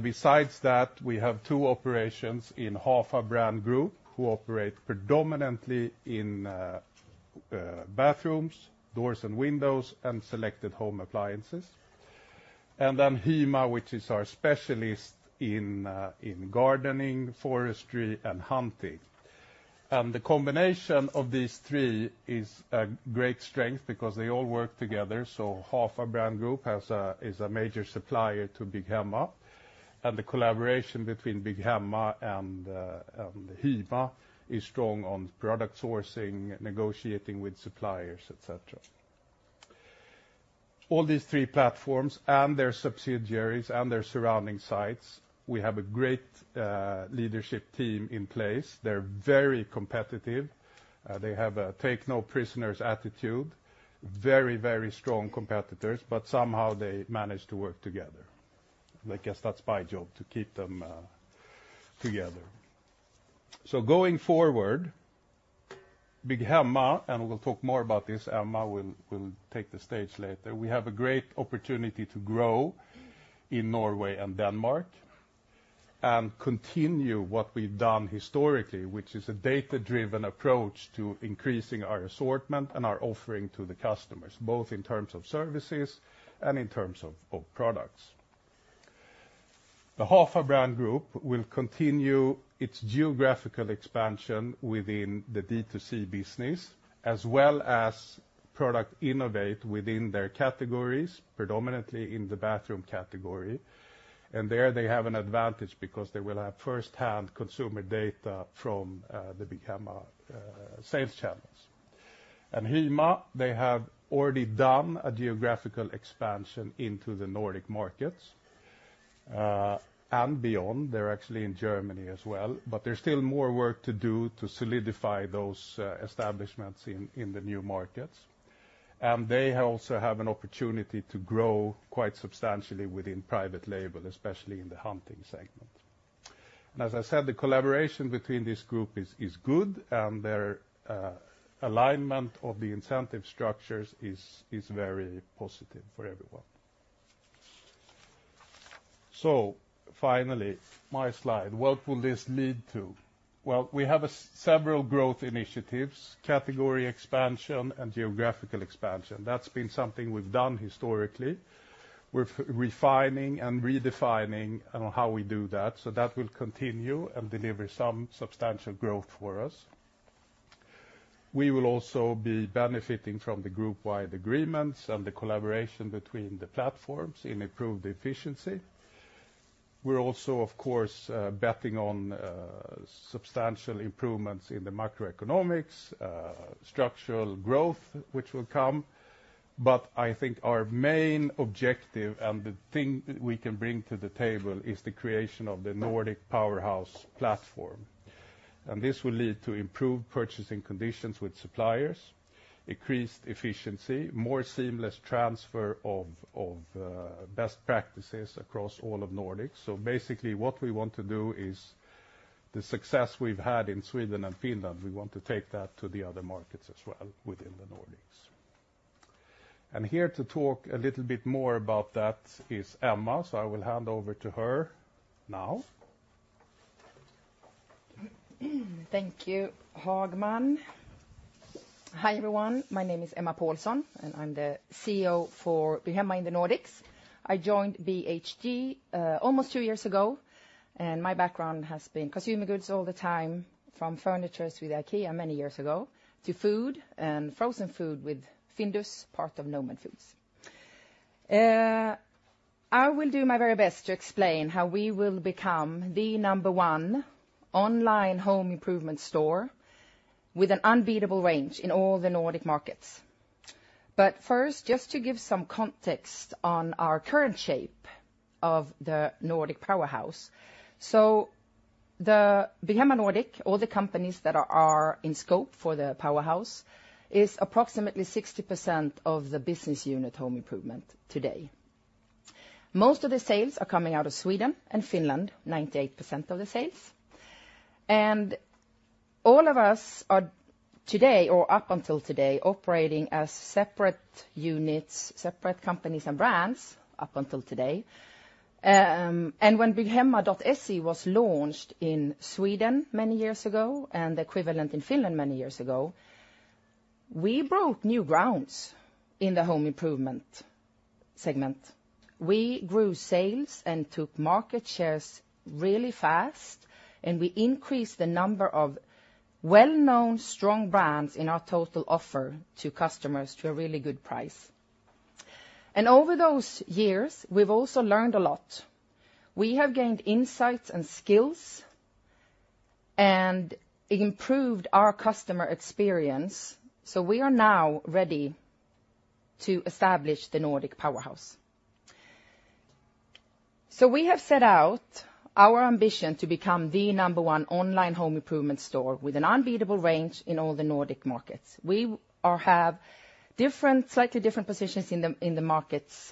Besides that, we have two operations in Hafa Brand Group who operate predominantly in bathrooms, doors and windows, and selected home appliances. Then HYMA, which is our specialist in gardening, forestry, and hunting. The combination of these three is a great strength because they all work together. Hafa Brand Group is a major supplier to Bygghemma. The collaboration between Bygghemma and Hafa is strong on product sourcing, negotiating with suppliers, etc. All these three platforms and their subsidiaries and their surrounding sites, we have a great leadership team in place. They're very competitive. They have a take-no-prisoners attitude, very, very strong competitors, but somehow they manage to work together. I guess that's my job, to keep them together. Going forward, Bygghemma, and we'll talk more about this. Emma will take the stage later. We have a great opportunity to grow in Norway and Denmark and continue what we've done historically, which is a data-driven approach to increasing our assortment and our offering to the customers, both in terms of services and in terms of products. The Hafa Brand Group will continue its geographical expansion within the D2C business as well as product innovate within their categories, predominantly in the bathroom category. And there, they have an advantage because they will have firsthand consumer data from the Bygghemma sales channels. And HYMA, they have already done a geographical expansion into the Nordic markets and beyond. They're actually in Germany as well, but there's still more work to do to solidify those establishments in the new markets. And they also have an opportunity to grow quite substantially within private label, especially in the hunting segment. And as I said, the collaboration between this group is good, and their alignment of the incentive structures is very positive for everyone. So finally, my slide. What will this lead to? Well, we have several growth initiatives, category expansion and geographical expansion. That's been something we've done historically. We're refining and redefining how we do that. So that will continue and deliver some substantial growth for us. We will also be benefiting from the group-wide agreements and the collaboration between the platforms in improved efficiency. We're also, of course, betting on substantial improvements in the macroeconomics, structural growth, which will come. But I think our main objective and the thing we can bring to the table is the creation of the Nordic Powerhouse platform. And this will lead to improved purchasing conditions with suppliers, increased efficiency, more seamless transfer of best practices across all of Nordics. So basically, what we want to do is the success we've had in Sweden and Finland, we want to take that to the other markets as well within the Nordics. And here to talk a little bit more about that is Emma. So I will hand over to her now. Thank you, Hagman. Hi, everyone. My name is Emma Paulsson, and I'm the CEO for Bygghemma in the Nordics. I joined BHG almost two years ago, and my background has been consumer goods all the time, from furniture with IKEA many years ago to food and frozen food with Findus, part of Nomad Foods. I will do my very best to explain how we will become the number one online home improvement store with an unbeatable range in all the Nordic markets. But first, just to give some context on our current shape of the Nordic Powerhouse. So the Bygghemma Nordic, all the companies that are in scope for the Powerhouse, is approximately 60% of the business unit home improvement today. Most of the sales are coming out of Sweden and Finland, 98% of the sales. All of us are today, or up until today, operating as separate units, separate companies and brands up until today. When Bygghemma.se was launched in Sweden many years ago and the equivalent in Finland many years ago, we broke new grounds in the home improvement segment. We grew sales and took market shares really fast, and we increased the number of well-known, strong brands in our total offer to customers to a really good price. Over those years, we've also learned a lot. We have gained insights and skills and improved our customer experience. We are now ready to establish the Nordic Powerhouse. We have set out our ambition to become the number one online home improvement store with an unbeatable range in all the Nordic markets. We have slightly different positions in the markets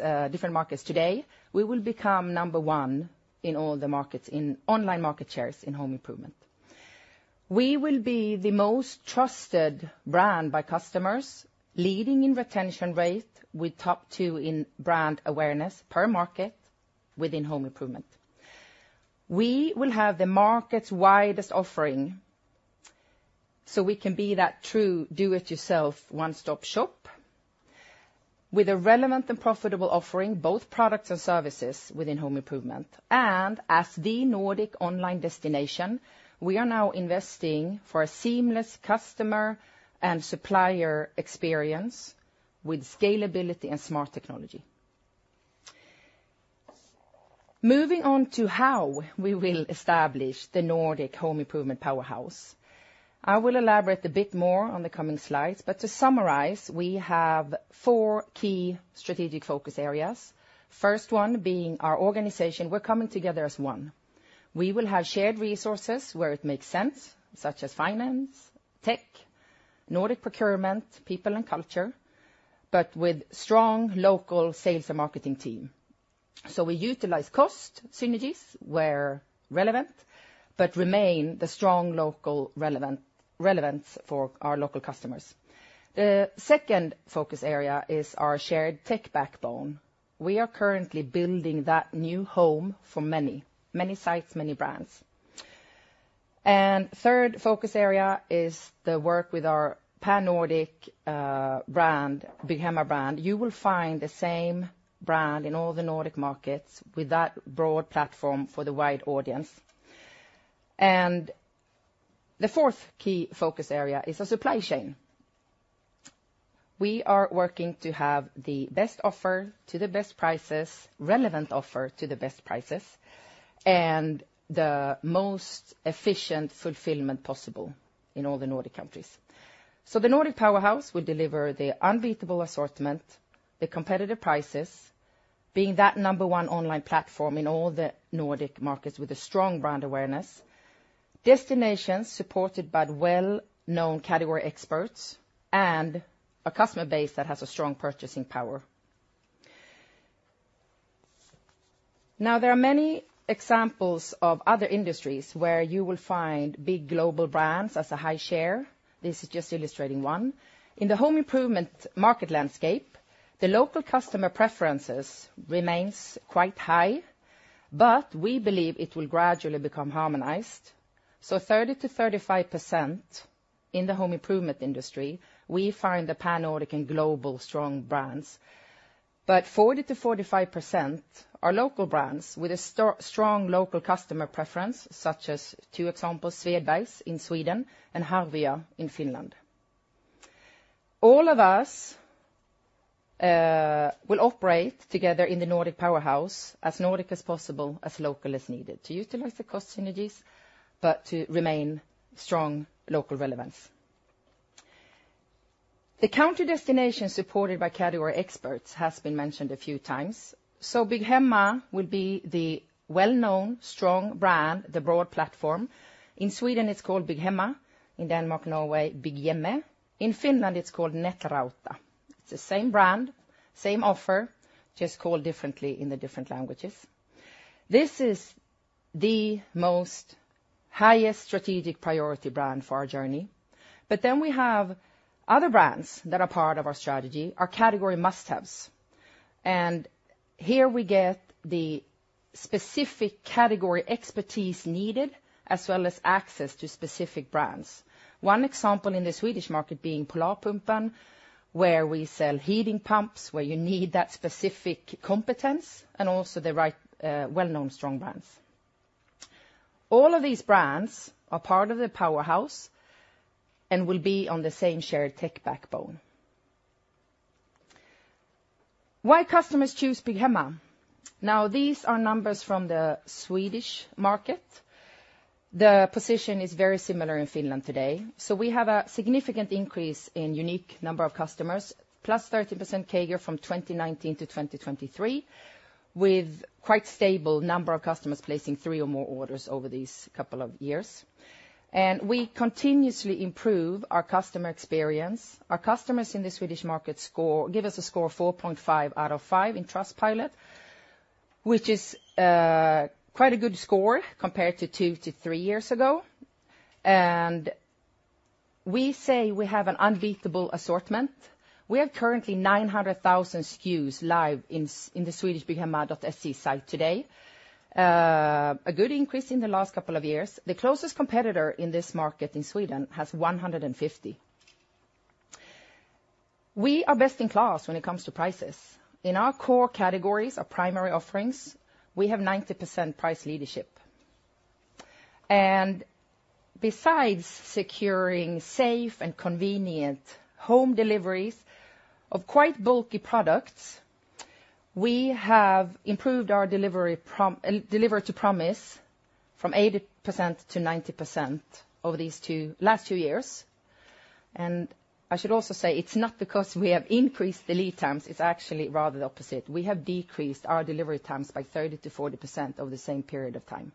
today. We will become number one in all the markets in online market shares in home improvement. We will be the most trusted brand by customers, leading in retention rate with top two in brand awareness per market within home improvement. We will have the market's widest offering. So we can be that true Do-It-Yourselfone-stop shop with a relevant and profitable offering, both products and services within home improvement. And as the Nordic online destination, we are now investing for a seamless customer and supplier experience with scalability and smart technology. Moving on to how we will establish the Nordic Home Improvement Powerhouse, I will elaborate a bit more on the coming slides. To summarize, we have four key strategic focus areas, first one being our organization. We're coming together as one. We will have shared resources where it makes sense, such as finance, tech, Nordic procurement, people, and culture, but with strong local sales and marketing team. So we utilize cost synergies where relevant but remain the strong local relevance for our local customers. The second focus area is our shared tech backbone. We are currently building that new home for many, many sites, many brands. And third focus area is the work with our Pan Nordic brand, Bygghemma brand. You will find the same brand in all the Nordic markets with that broad platform for the wide audience. And the fourth key focus area is our supply chain. We are working to have the best offer to the best prices, relevant offer to the best prices, and the most efficient fulfillment possible in all the Nordic countries. So the Nordic Powerhouse will deliver the unbeatable assortment, the competitive prices, being that number one online platform in all the Nordic markets with a strong brand awareness, destinations supported by well-known category experts, and a customer base that has a strong purchasing power. Now, there are many examples of other industries where you will find big global brands as a high share. This is just illustrating one. In the home improvement market landscape, the local customer preferences remain quite high, but we believe it will gradually become harmonized. So 30%-35% in the home improvement industry, we find the Pan Nordic and global strong brands. But 40%-45% are local brands with a strong local customer preference, such as, for example, Svedbergs in Sweden and Harvia in Finland. All of us will operate together in the Nordic Powerhouse as Nordic as possible, as local as needed, to utilize the cost synergies but to remain strong local relevance. The country destination supported by category experts has been mentioned a few times. So Bygghemma will be the well-known, strong brand, the broad platform. In Sweden, it's called Bygghemma. In Denmark, Norway, Bygghjemme. In Finland, it's called Netrauta. It's the same brand, same offer, just called differently in the different languages. This is the highest strategic priority brand for our journey. But then we have other brands that are part of our strategy, our category must-haves. And here we get the specific category expertise needed as well as access to specific brands. One example in the Swedish market being Polarpumpen, where we sell heat pumps, where you need that specific competence and also the right well-known, strong brands. All of these brands are part of the Powerhouse and will be on the same shared tech backbone. Why customers choose Bygghemma? Now, these are numbers from the Swedish market. The position is very similar in Finland today. So we have a significant increase in unique number of customers, plus 13% CAGR from 2019-2023, with quite stable number of customers placing three or more orders over these couple of years. We continuously improve our customer experience. Our customers in the Swedish market give us a score of 4.5 out of 5 in Trustpilot, which is quite a good score compared to two to three years ago. We say we have an unbeatable assortment. We have currently 900,000 SKUs live in the Swedish bygghemma.se site today, a good increase in the last couple of years. The closest competitor in this market in Sweden has 150. We are best in class when it comes to prices. In our core categories, our primary offerings, we have 90% price leadership. And besides securing safe and convenient home deliveries of quite bulky products, we have improved our delivery to promise from 80% to 90% over these last two years. And I should also say it's not because we have increased the lead times. It's actually rather the opposite. We have decreased our delivery times by 30%-40% over the same period of time.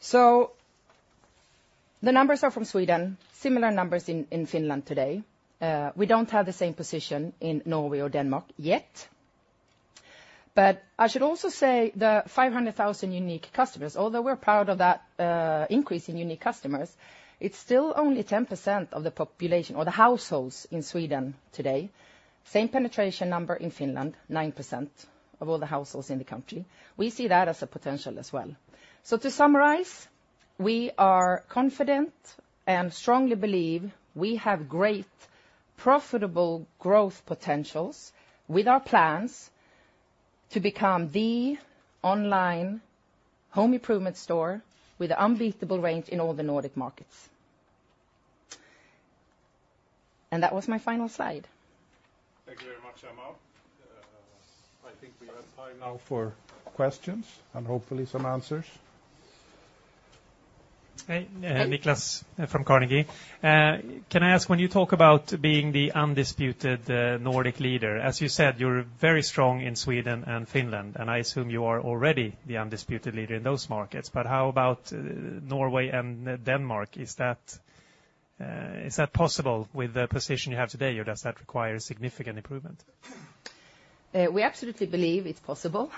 So the numbers are from Sweden, similar numbers in Finland today. We don't have the same position in Norway or Denmark yet. But I should also say the 500,000 unique customers, although we're proud of that increase in unique customers, it's still only 10% of the population or the households in Sweden today. Same penetration number in Finland, 9% of all the households in the country. We see that as a potential as well. So to summarize, we are confident and strongly believe we have great profitable growth potentials with our plans to become the online home improvement store with an unbeatable range in all the Nordic markets. That was my final slide. Thank you very much, Emma. I think we have time now for questions and hopefully some answers. Hey, Niklas from Carnegie. Can I ask, when you talk about being the undisputed Nordic leader, as you said, you're very strong in Sweden and Finland, and I assume you are already the undisputed leader in those markets. But how about Norway and Denmark? Is that possible with the position you have today, or does that require significant improvement? We absolutely believe it's possible.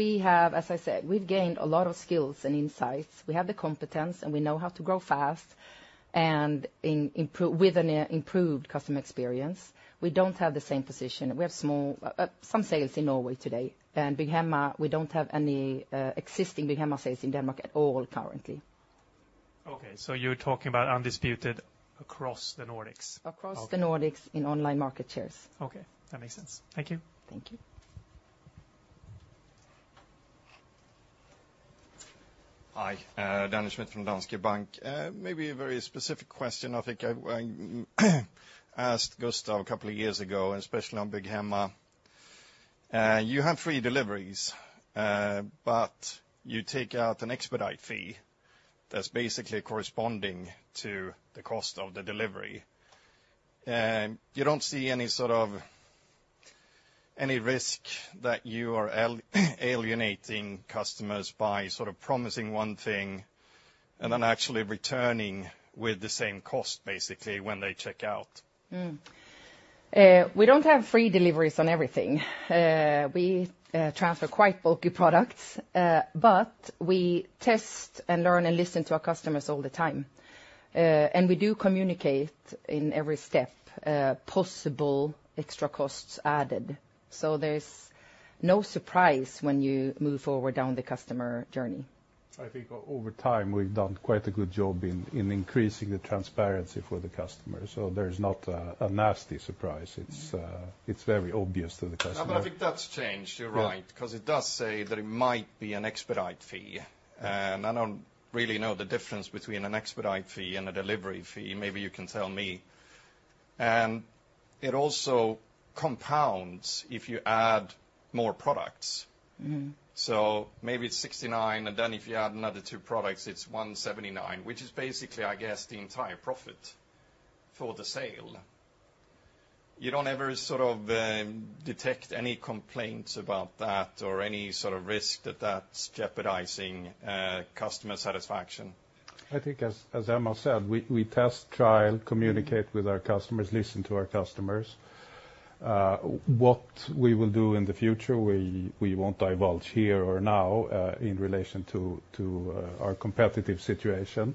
As I said, we've gained a lot of skills and insights. We have the competence, and we know how to grow fast with an improved customer experience. We don't have the same position. We have some sales in Norway today. Bygghemma, we don't have any existing Bygghemma sales in Denmark at all currently. Okay. So you're talking about undisputed across the Nordics? Across the Nordics in online market shares. Okay. That makes sense. Thank you. Thank you. Hi. Daniel Schmidt from Danske Bank. Maybe a very specific question. I think I asked Gustaf a couple of years ago, and especially on Bygghemma. You have free deliveries, but you take out an expedite fee that's basically corresponding to the cost of the delivery. You don't see any sort of risk that you are alienating customers by sort of promising one thing and then actually returning with the same cost, basically, when they check out. We don't have free deliveries on everything. We transfer quite bulky products, but we test and learn and listen to our customers all the time. We do communicate in every step possible extra costs added. There's no surprise when you move forward down the customer journey. I think over time, we've done quite a good job in increasing the transparency for the customer. There's not a nasty surprise. It's very obvious to the customer. Yeah. But I think that's changed. You're right because it does say that it might be an expedite fee. And I don't really know the difference between an expedite fee and a delivery fee. Maybe you can tell me. And it also compounds if you add more products. So maybe it's 69, and then if you add another two products, it's 179, which is basically, I guess, the entire profit for the sale. You don't ever sort of detect any complaints about that or any sort of risk that that's jeopardizing customer satisfaction. I think, as Emma said, we test, trial, communicate with our customers, listen to our customers. What we will do in the future, we won't divulge here or now in relation to our competitive situation.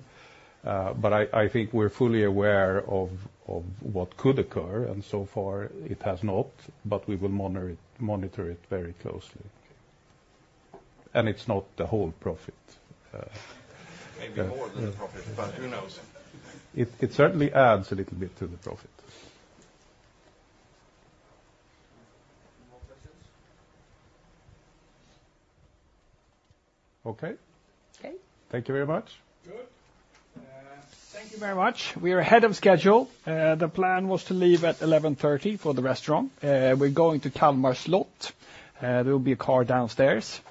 But I think we're fully aware of what could occur. And so far, it has not, but we will monitor it very closely. And it's not the whole profit. Maybe more than the profit, but who knows? It certainly adds a little bit to the profit. More questions? Okay. Thank you very much. Good. Thank you very much. We are ahead of schedule. The plan was to leave at 11:30 A.M. for the restaurant. We're going to Kalmar Slott. There will be a car downstairs.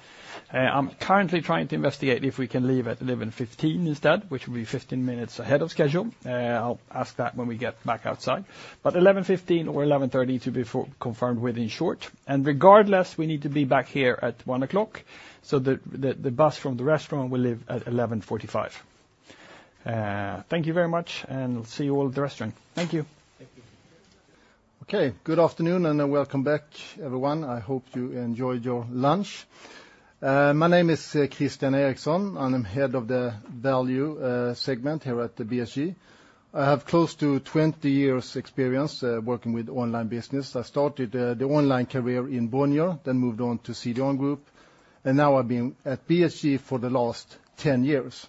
I'm currently trying to investigate if we can leave at 11:15 A.M. instead, which will be 15 minutes ahead of schedule. I'll ask that when we get back outside. But 11:15 A.M. or 11:30 A.M. to be confirmed within short. And regardless, we need to be back here at 1:00 P.M. So the bus from the restaurant will leave at 11:45 A.M. Thank you very much, and I'll see you all at the restaurant. Thank you. Thank you. Okay. Good afternoon and welcome back, everyone. I hope you enjoyed your lunch. My name is Christian Eriksson. I'm Head of Value Home here at BHG. I have close to 20 years' experience working with online business. I started the online career in Bonnier, then moved on to CDON Group. Now I've been at BHG for the last 10 years.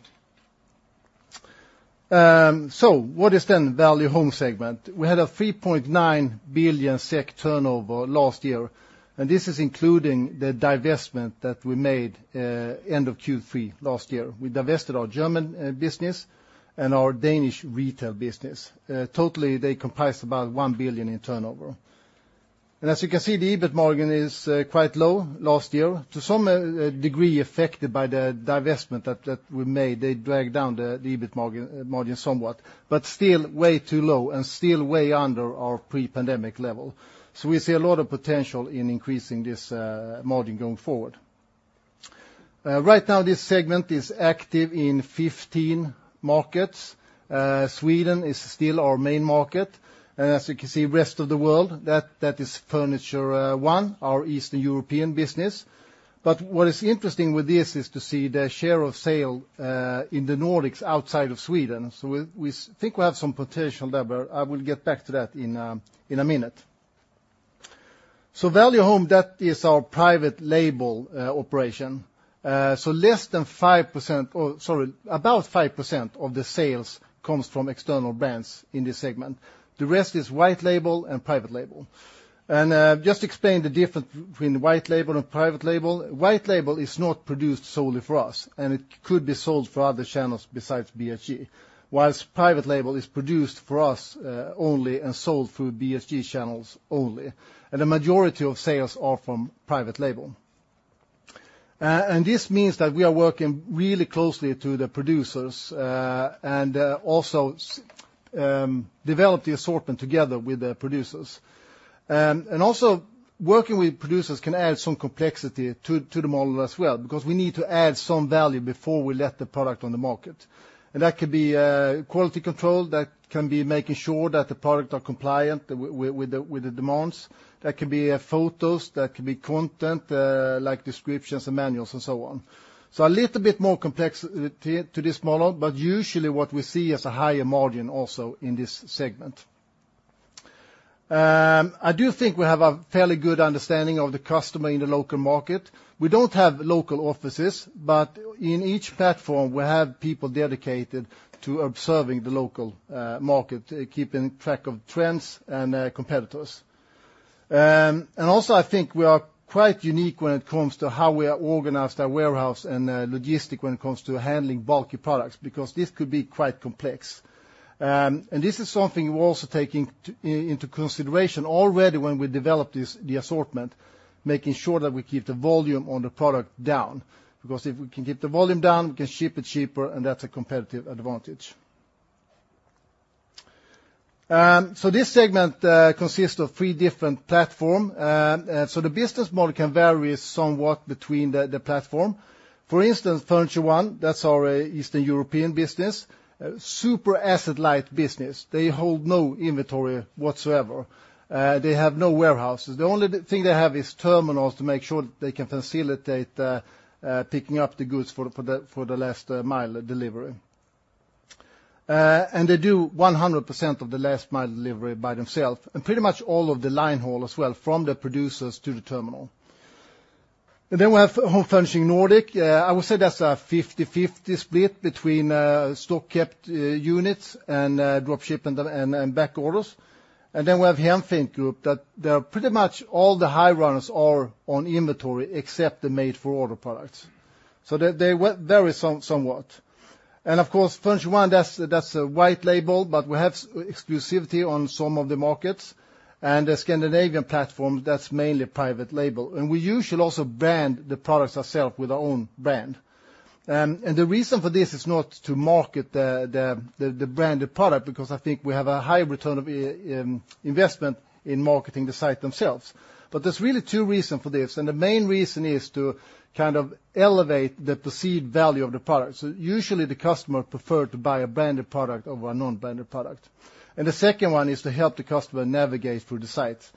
So what is then Value Home segment? We had a 3.9 billion SEK turnover last year. And this is including the divestment that we made end of Q3 last year. We divested our German business and our Danish retail business. Totally, they comprise about 1 billion in turnover. And as you can see, the EBIT margin is quite low last year. To some degree, affected by the divestment that we made, they dragged down the EBIT margin somewhat, but still way too low and still way under our pre-pandemic level. So we see a lot of potential in increasing this margin going forward. Right now, this segment is active in 15 markets. Sweden is still our main market. And as you can see, rest of the world, that is Furniture1, our Eastern European business. But what is interesting with this is to see the share of sales in the Nordics outside of Sweden. So we think we have some potential there, but I will get back to that in a minute. So Value Home, that is our Private Label operation. So less than 5% sorry, about 5% of the sales comes from external brands in this segment. The rest is White Label and Private Label. Just to explain the difference between White Label and Private Label, White Label is not produced solely for us, and it could be sold for other channels besides BHG, while Private Label is produced for us only and sold through BHG channels only. The majority of sales are from Private Label. This means that we are working really closely to the producers and also develop the assortment together with the producers. Also, working with producers can add some complexity to the model as well because we need to add some value before we let the product on the market. That could be quality control. That can be making sure that the products are compliant with the demands. That could be photos. That could be content like descriptions and manuals and so on. So a little bit more complexity to this model, but usually what we see is a higher margin also in this segment. I do think we have a fairly good understanding of the customer in the local market. We don't have local offices, but in each platform, we have people dedicated to observing the local market, keeping track of trends and competitors. And also, I think we are quite unique when it comes to how we organize our warehouse and logistics when it comes to handling bulky products because this could be quite complex. And this is something we're also taking into consideration already when we develop the assortment, making sure that we keep the volume on the product down because if we can keep the volume down, we can ship it cheaper, and that's a competitive advantage. So this segment consists of three different platforms. So the business model can vary somewhat between the platforms. For instance, Furniture1, that's our Eastern European business, super asset-light business. They hold no inventory whatsoever. They have no warehouses. The only thing they have is terminals to make sure that they can facilitate picking up the goods for the last-mile delivery. And they do 100% of the last-mile delivery by themselves and pretty much all of the line haul as well, from the producers to the terminal. And then we have Home Furnishing Nordic. I would say that's a 50/50 split between stock-kept units and dropshipping and back orders. And then we have Hemfint Group. Pretty much all the high runners are on inventory except the made-for-order products. So they vary somewhat. And of course, Furniture1, that's a white label, but we have exclusivity on some of the markets. And the Scandinavian platform, that's mainly private label. We usually also brand the products ourselves with our own brand. The reason for this is not to market the branded product because I think we have a high return on investment in marketing the sites themselves. But there's really two reasons for this. The main reason is to kind of elevate the perceived value of the product. Usually, the customer prefers to buy a branded product over a non-branded product. The second one is to help the customer navigate through the sites.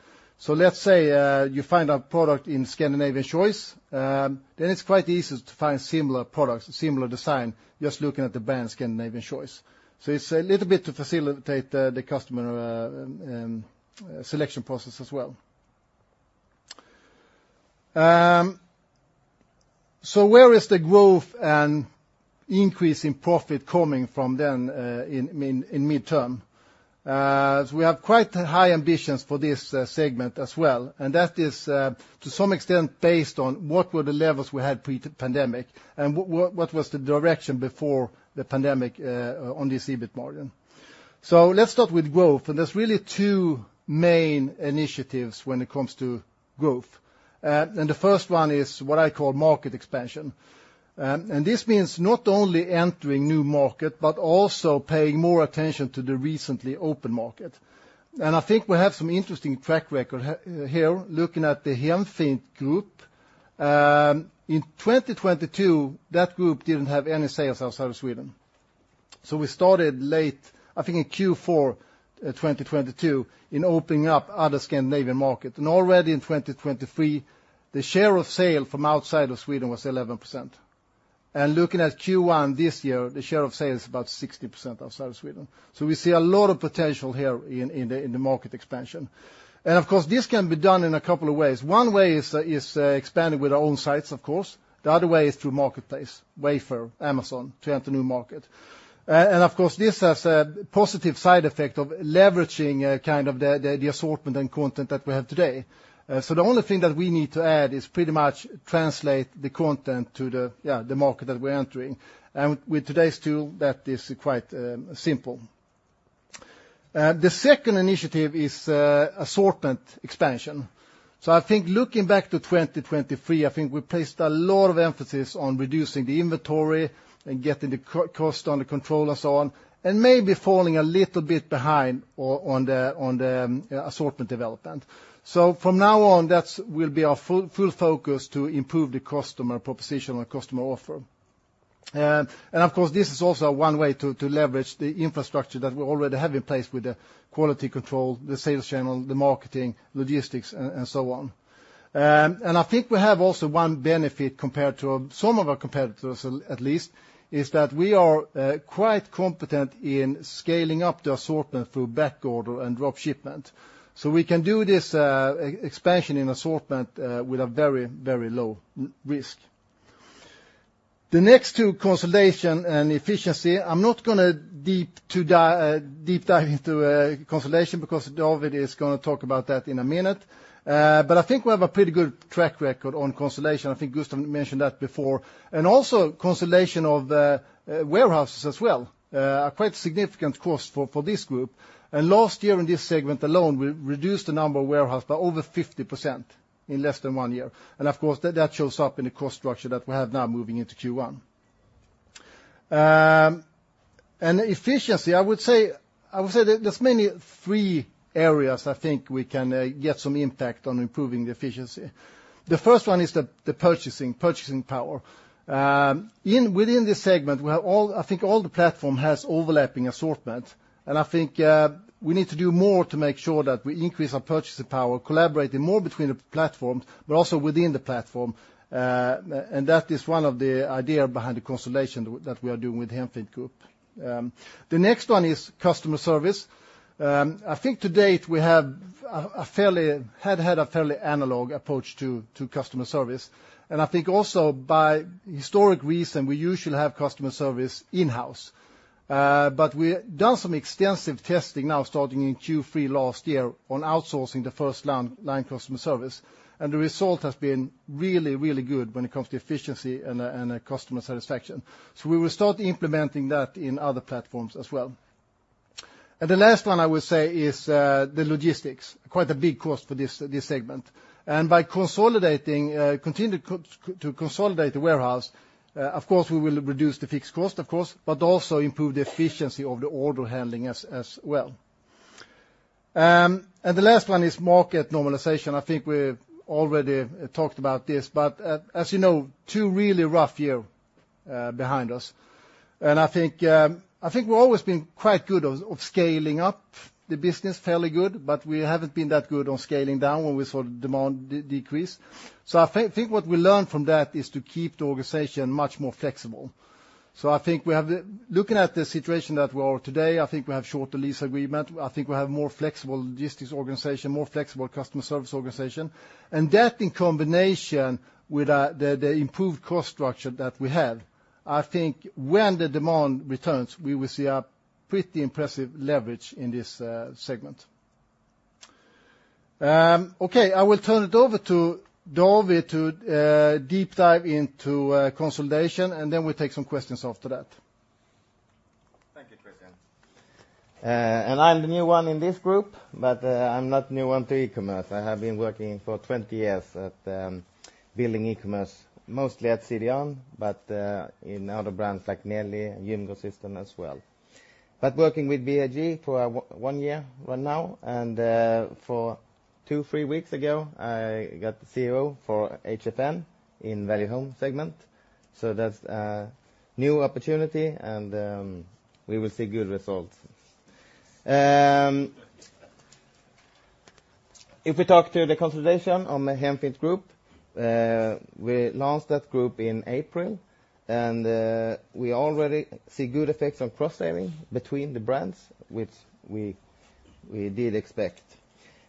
Let's say you find a product in Scandinavian Choice. Then it's quite easy to find similar products, similar design, just looking at the brand Scandinavian Choice. It's a little bit to facilitate the customer selection process as well. Where is the growth and increase in profit coming from then in the medium-term? We have quite high ambitions for this segment as well. And that is to some extent based on what were the levels we had pre-pandemic and what was the direction before the pandemic on this EBIT margin. So let's start with growth. And there's really two main initiatives when it comes to growth. And the first one is what I call market expansion. And this means not only entering new market but also paying more attention to the recently open market. And I think we have some interesting track record here looking at the Hemfint Group. In 2022, that group didn't have any sales outside of Sweden. So we started late, I think, in Q4 2022 in opening up other Scandinavian markets. And already in 2023, the share of sale from outside of Sweden was 11%. Looking at Q1 this year, the share of sales is about 60% outside of Sweden. We see a lot of potential here in the market expansion. Of course, this can be done in a couple of ways. One way is expanding with our own sites, of course. The other way is through marketplace, Wayfair, Amazon to enter new markets. Of course, this has a positive side effect of leveraging kind of the assortment and content that we have today. The only thing that we need to add is pretty much translate the content to the market that we're entering. With today's tool, that is quite simple. The second initiative is assortment expansion. So I think looking back to 2023, I think we placed a lot of emphasis on reducing the inventory and getting the cost under control and so on and maybe falling a little bit behind on the assortment development. So from now on, that will be our full focus to improve the customer proposition and customer offer. And of course, this is also one way to leverage the infrastructure that we already have in place with the quality control, the sales channel, the marketing, logistics, and so on. And I think we have also one benefit compared to some of our competitors, at least, is that we are quite competent in scaling up the assortment through back order and dropship. So we can do this expansion in assortment with a very, very low risk. The next two, consolidation and efficiency. I'm not going to deep dive into consolidation because David is going to talk about that in a minute. But I think we have a pretty good track record on consolidation. I think Gustaf mentioned that before. And also, consolidation of warehouses as well are quite significant costs for this group. And last year, in this segment alone, we reduced the number of warehouses by over 50% in less than one year. And of course, that shows up in the cost structure that we have now moving into Q1. And efficiency, I would say there's mainly three areas I think we can get some impact on improving the efficiency. The first one is the purchasing, purchasing power. Within this segment, I think all the platform has overlapping assortment. I think we need to do more to make sure that we increase our purchasing power, collaborating more between the platforms but also within the platform. That is one of the ideas behind the consolidation that we are doing with Hemfint Group. The next one is customer service. I think to date, we had a fairly analog approach to customer service. And I think also, by historic reason, we usually have customer service in-house. But we've done some extensive testing now starting in Q3 last year on outsourcing the first line customer service. And the result has been really, really good when it comes to efficiency and customer satisfaction. So we will start implementing that in other platforms as well. And the last one, I would say, is the logistics, quite a big cost for this segment. By continuing to consolidate the warehouse, of course, we will reduce the fixed cost, of course, but also improve the efficiency of the order handling as well. The last one is market normalization. I think we've already talked about this. But as you know, two really rough years behind us. I think we've always been quite good at scaling up the business, fairly good, but we haven't been that good at scaling down when we saw the demand decrease. So I think what we learned from that is to keep the organization much more flexible. So I think looking at the situation that we are today, I think we have shorter lease agreements. I think we have more flexible logistics organization, more flexible customer service organization. That in combination with the improved cost structure that we have, I think when the demand returns, we will see a pretty impressive leverage in this segment. Okay. I will turn it over to David to deep dive into consolidation, and then we'll take some questions after that. Thank you, Christian. I'm the new one in this group, but I'm not new to e-commerce. I have been working for 20 years building e-commerce, mostly at CDON but in other brands like Nelly, Gymgrossisten as well. But working with BHG for one year right now. Two or three weeks ago, I got the COO for HFN in Value Home segment. So that's a new opportunity, and we will see good results. If we talk about the consolidation of Hemfint Group, we launched that group in April. We already see good effects on cross-selling between the brands, which we did expect.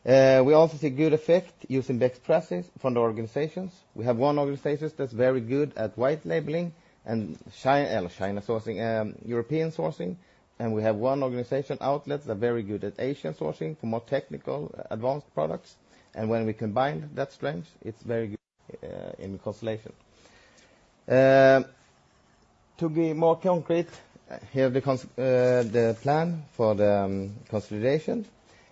We also see good effects using best practices from the organizations. We have one organization that's very good at white labeling and China sourcing, European sourcing. We have one organization, Outlets, that is very good at Asian sourcing for more technical, advanced products. When we combine that strength, it's very good in consolidation. To be more concrete, here's the plan for the consolidation.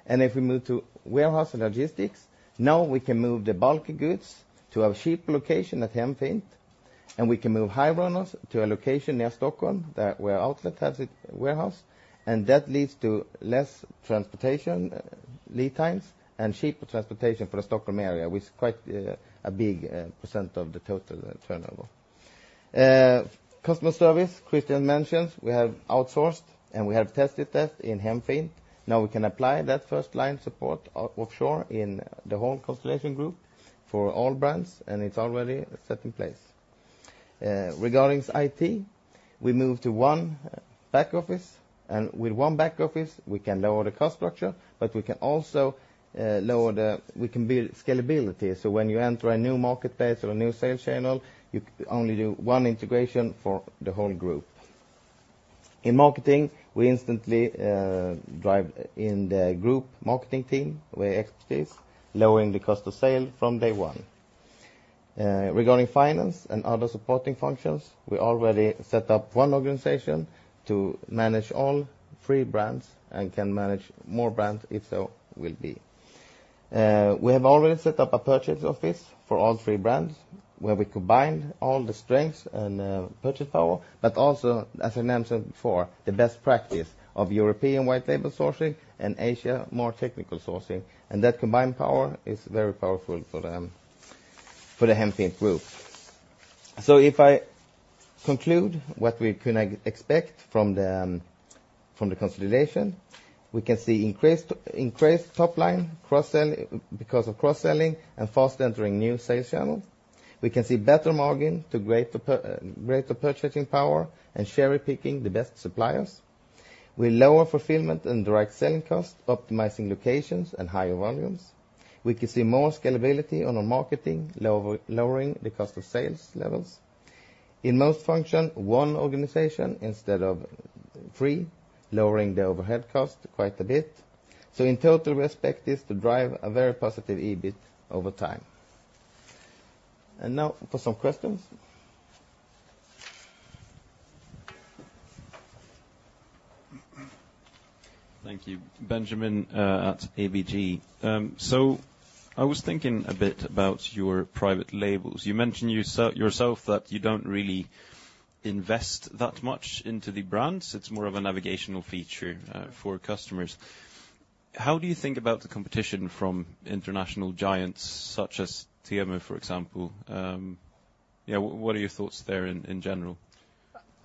If we move to warehouse and logistics, now we can move the bulky goods to our cheaper location at Hemfint. We can move high runners to a location near Stockholm where our outlet has its warehouse. That leads to less transportation lead times and cheaper transportation for the Stockholm area, which is quite a big percent of the total turnover. Customer service, Christian mentioned, we have outsourced, and we have tested that in Hemfint. Now we can apply that first-line support offshore in the whole consolidation group for all brands, and it's already set in place. Regarding IT, we moved to one back office. With one back office, we can lower the cost structure, but we can also lower the we can build scalability. So when you enter a new marketplace or a new sales channel, you only do one integration for the whole group. In marketing, we instantly drive in the group marketing team with expertise, lowering the cost of sale from day one. Regarding finance and other supporting functions, we already set up one organization to manage all three brands and can manage more brands if so will be. We have already set up a purchase office for all three brands where we combined all the strengths and purchasing power. But also, as I mentioned before, the best practice of European white label sourcing and Asia, more technical sourcing. And that combined power is very powerful for the Hemfint Group. So if I conclude what we can expect from the consolidation, we can see increased topline because of cross-selling and fast entering new sales channels. We can see better margin to greater purchasing power and cherry-picking the best suppliers. We'll lower fulfillment and direct selling costs, optimizing locations and higher volumes. We can see more scalability on our marketing, lowering the cost of sales levels. In most functions, one organization instead of three, lowering the overhead cost quite a bit. So in total, we expect this to drive a very positive EBIT over time. And now for some questions. Thank you, Benjamin at ABG. So I was thinking a bit about your private labels. You mentioned yourself that you don't really invest that much into the brands. It's more of a navigational feature for customers. How do you think about the competition from international giants such as TMO, for example? Yeah. What are your thoughts there in general?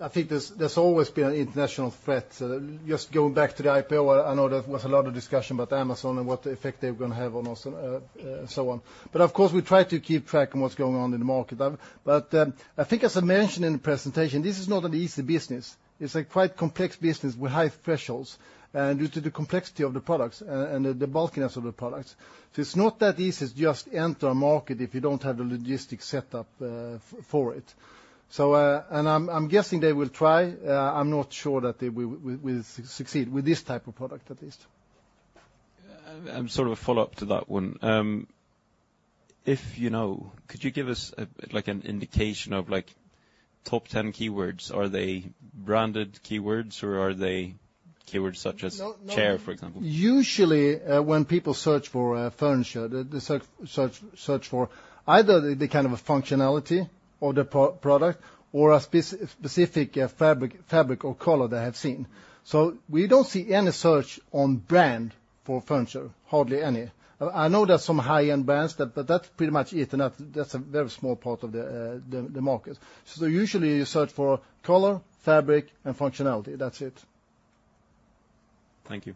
I think there's always been an international threat. Just going back to the IPO, I know there was a lot of discussion about Amazon and what effect they're going to have on us and so on. Of course, we try to keep track of what's going on in the market. I think, as I mentioned in the presentation, this is not an easy business. It's a quite complex business with high thresholds due to the complexity of the products and the bulkiness of the products. It's not that easy to just enter a market if you don't have the logistics set up for it. I'm guessing they will try. I'm not sure that they will succeed with this type of product, at least. I'm sort of a follow-up to that one. Could you give us an indication of top 10 keywords? Are they branded keywords, or are they keywords such as chair, for example? Usually, when people search for furniture, they search for either the kind of functionality of the product or a specific fabric or color they have seen. So we don't see any search on brand for furniture, hardly any. I know there are some high-end brands, but that's pretty much it, and that's a very small part of the market. So usually, you search for color, fabric, and functionality. That's it. Thank you.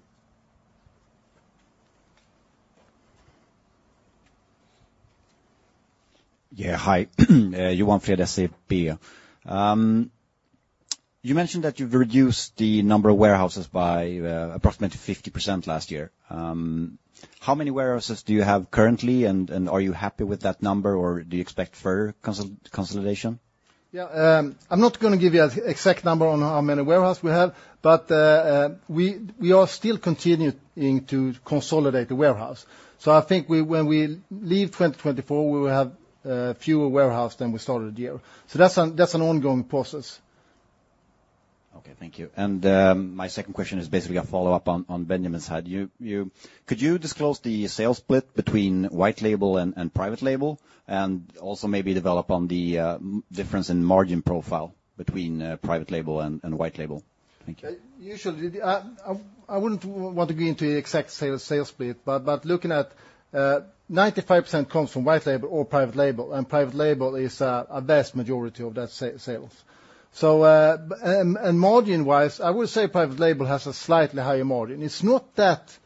Yeah. Hi, Johan Fred, SEB. You mentioned that you've reduced the number of warehouses by approximately 50% last year. How many warehouses do you have currently, and are you happy with that number, or do you expect further consolidation? Yeah. I'm not going to give you an exact number on how many warehouses we have, but we are still continuing to consolidate the warehouse. I think when we leave 2024, we will have fewer warehouses than we started the year. That's an ongoing process. Okay. Thank you. And my second question is basically a follow-up on Benjamin's side. Could you disclose the sales split between white label and private label and also maybe develop on the difference in margin profile between private label and white label? Thank you. Usually, I wouldn't want to go into the exact sales split. But looking at 95% comes from White Label or Private Label, and Private Label is a vast majority of that sales. And margin-wise, I would say Private Label has a slightly higher margin. It's not that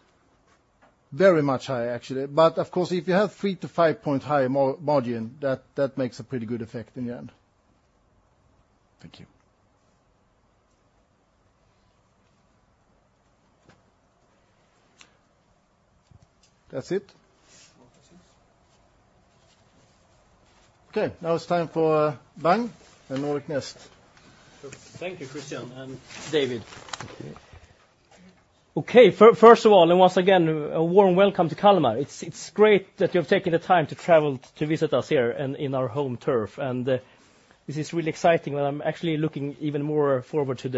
very much high, actually. But of course, if you have 3-5-point higher margin, that makes a pretty good effect in the end. Thank you. That's it. Okay. Now it's time for Bang and Nordic Nest. Thank you, Christian and David. Okay. First of all, once again, a warm welcome to Kalmar. It's great that you have taken the time to travel to visit us here in our home turf. This is really exciting, and I'm actually looking even more forward to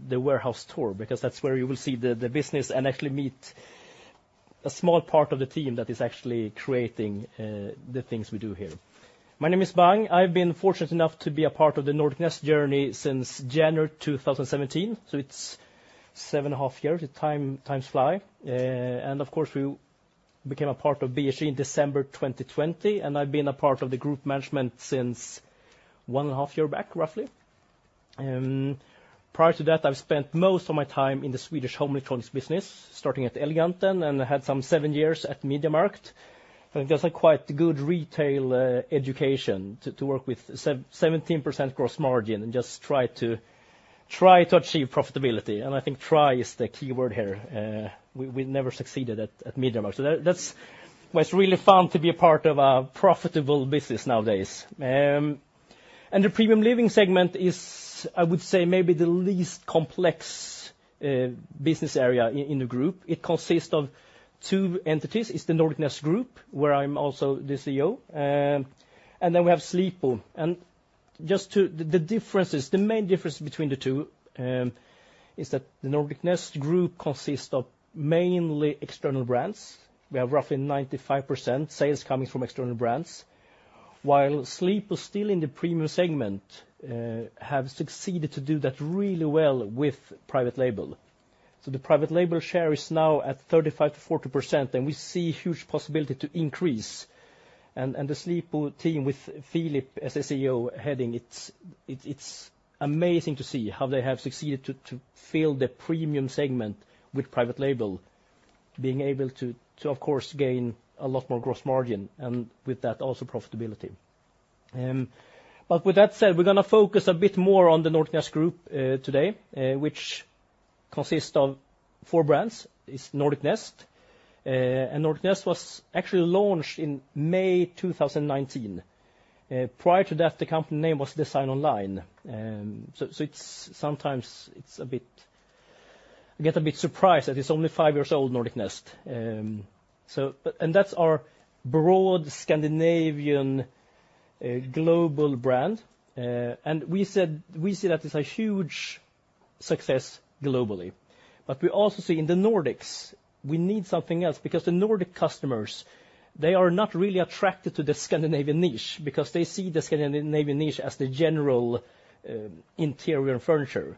the warehouse tour because that's where you will see the business and actually meet a small part of the team that is actually creating the things we do here. My name is Bang. I've been fortunate enough to be a part of the Nordic Nest journey since January 2017. So it's seven and a half years. Time flies. Of course, we became a part of BHG in December 2020, and I've been a part of the group management since one and a half years back, roughly. Prior to that, I've spent most of my time in the Swedish home electronics business, starting at Elgiganten and had some 7 years at MediaMarkt. I think there's a quite good retail education to work with 17% gross margin and just try to achieve profitability. And I think try is the key word here. We never succeeded at MediaMarkt. So that's why it's really fun to be a part of a profitable business nowadays. And the premium living segment is, I would say, maybe the least complex business area in the group. It consists of two entities. It's the Nordic Nest Group, where I'm also the CEO. And then we have Sleepo. And just the differences, the main difference between the two is that the Nordic Nest Group consists of mainly external brands. We have roughly 95% sales coming from external brands, while Sleepo, still in the premium segment, have succeeded to do that really well with private label. So the private label share is now at 35%-40%, and we see huge possibility to increase. And the Sleepo team with Philip as the CEO heading, it's amazing to see how they have succeeded to fill the premium segment with private label, being able to, of course, gain a lot more gross margin and with that, also profitability. But with that said, we're going to focus a bit more on the Nordic Nest Group today, which consists of four brands. It's Nordic Nest. And Nordic Nest was actually launched in May 2019. Prior to that, the company name was Design Online. So sometimes, I get a bit surprised that it's only five years old, Nordic Nest. That's our broad Scandinavian global brand. We see that it's a huge success globally. But we also see in the Nordics, we need something else because the Nordic customers, they are not really attracted to the Scandinavian niche because they see the Scandinavian niche as the general interior and furniture.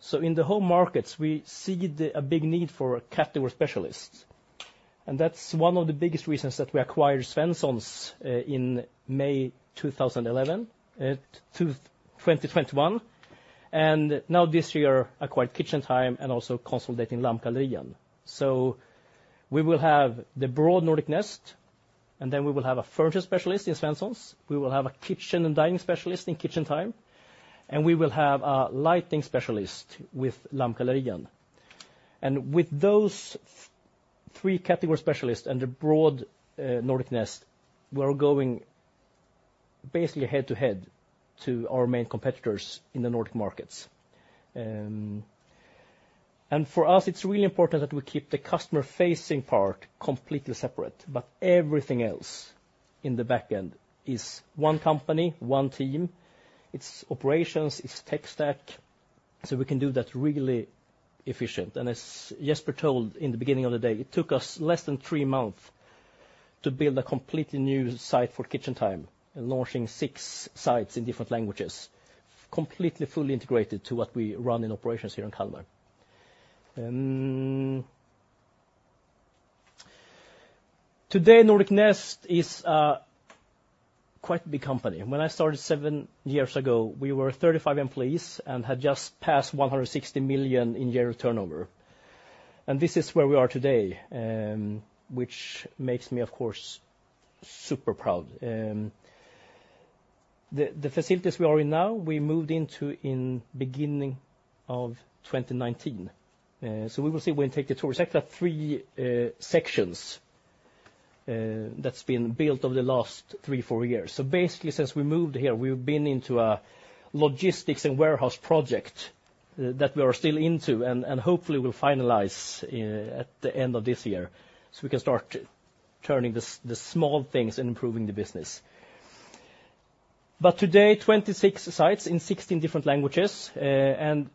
So in the home markets, we see a big need for category specialists. That's one of the biggest reasons that we acquired Svenssons in May 2021. Now this year, acquired KitchenTime and also consolidating Lampgallerian. So we will have the broad Nordic Nest, and then we will have a furniture specialist in Svenssons. We will have a kitchen and dining specialist in KitchenTime. And we will have a lighting specialist with Lampgallerian. With those three category specialists and the broad Nordic Nest, we are going basically head-to-head to our main competitors in the Nordic markets. For us, it's really important that we keep the customer-facing part completely separate. But everything else in the back end is one company, one team. It's operations. It's tech stack. So we can do that really efficient. And as Jesper told in the beginning of the day, it took us less than three months to build a completely new site for KitchenTime and launching six sites in different languages, completely fully integrated to what we run in operations here in Kalmar. Today, Nordic Nest is a quite big company. When I started seven years ago, we were 35 employees and had just passed 160 million in year turnover. And this is where we are today, which makes me, of course, super proud. The facilities we are in now, we moved into in the beginning of 2019. So we will see when we take the tour. It's actually three sections that's been built over the last three, four years. So basically, since we moved here, we've been into a logistics and warehouse project that we are still into and hopefully will finalize at the end of this year so we can start turning the small things and improving the business. But today, 26 sites in 16 different languages. And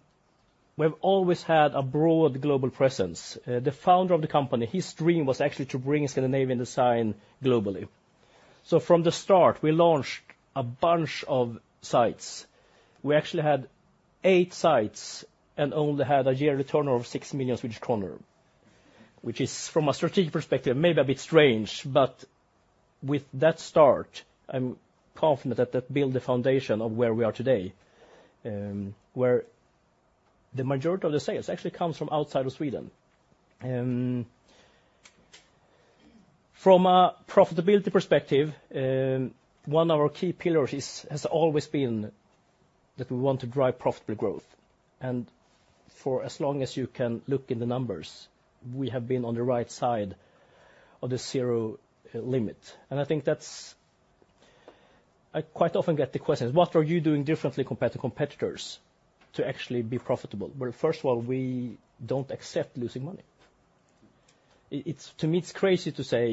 we've always had a broad global presence. The founder of the company, his dream was actually to bring Scandinavian design globally. So from the start, we launched a bunch of sites. We actually had eight sites and only had a year return over 6 million Swedish kronor, which is, from a strategic perspective, maybe a bit strange. But with that start, I'm confident that that built the foundation of where we are today, where the majority of the sales actually comes from outside of Sweden. From a profitability perspective, one of our key pillars has always been that we want to drive profitable growth. And for as long as you can look in the numbers, we have been on the right side of the zero limit. And I think I quite often get the questions, "What are you doing differently compared to competitors to actually be profitable?" Well, first of all, we don't accept losing money. To me, it's crazy to say,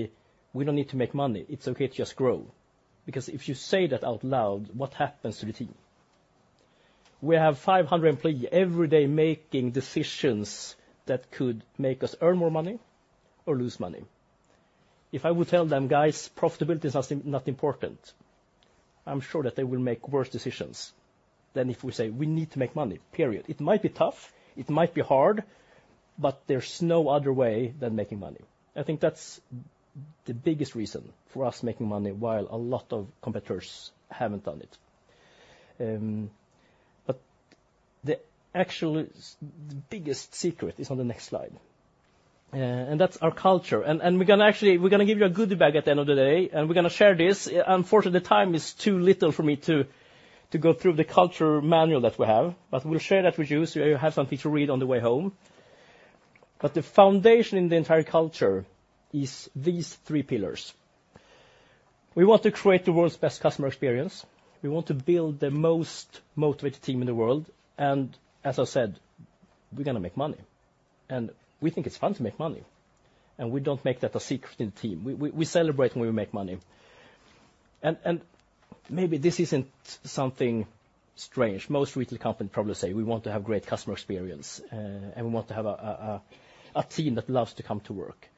"We don't need to make money. It's okay to just grow." Because if you say that out loud, what happens to the team? We have 500 employees every day making decisions that could make us earn more money or lose money. If I would tell them, "Guys, profitability is not important," I'm sure that they will make worse decisions than if we say, "We need to make money, period." It might be tough. It might be hard. But there's no other way than making money. I think that's the biggest reason for us making money while a lot of competitors haven't done it. But actually, the biggest secret is on the next slide. And that's our culture. And we're actually going to give you a goodie bag at the end of the day, and we're going to share this. Unfortunately, the time is too little for me to go through the culture manual that we have. But we'll share that with you so you have something to read on the way home. But the foundation in the entire culture is these three pillars. We want to create the world's best customer experience. We want to build the most motivated team in the world. As I said, we're going to make money. We think it's fun to make money. We don't make that a secret in the team. We celebrate when we make money. Maybe this isn't something strange. Most retail companies probably say, "We want to have great customer experience, and we want to have a team that loves to come to work."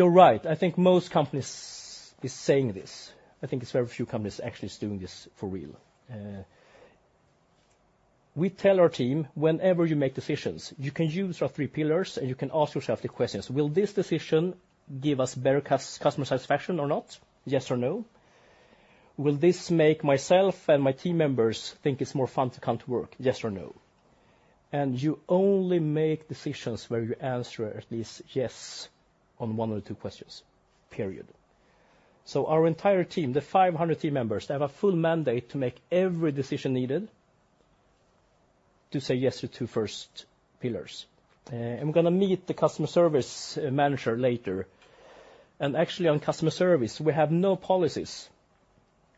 You're right. I think most companies are saying this. I think it's very few companies actually doing this for real. We tell our team, "Whenever you make decisions, you can use our three pillars, and you can ask yourself the questions, 'Will this decision give us better customer satisfaction or not? Yes or no?' Will this make myself and my team members think it's more fun to come to work? Yes or no?" You only make decisions where you answer at least yes on one or two questions, period. So our entire team, the 500 team members, they have a full mandate to make every decision needed to say yes to the two first pillars. We're going to meet the customer service manager later. Actually, on customer service, we have no policies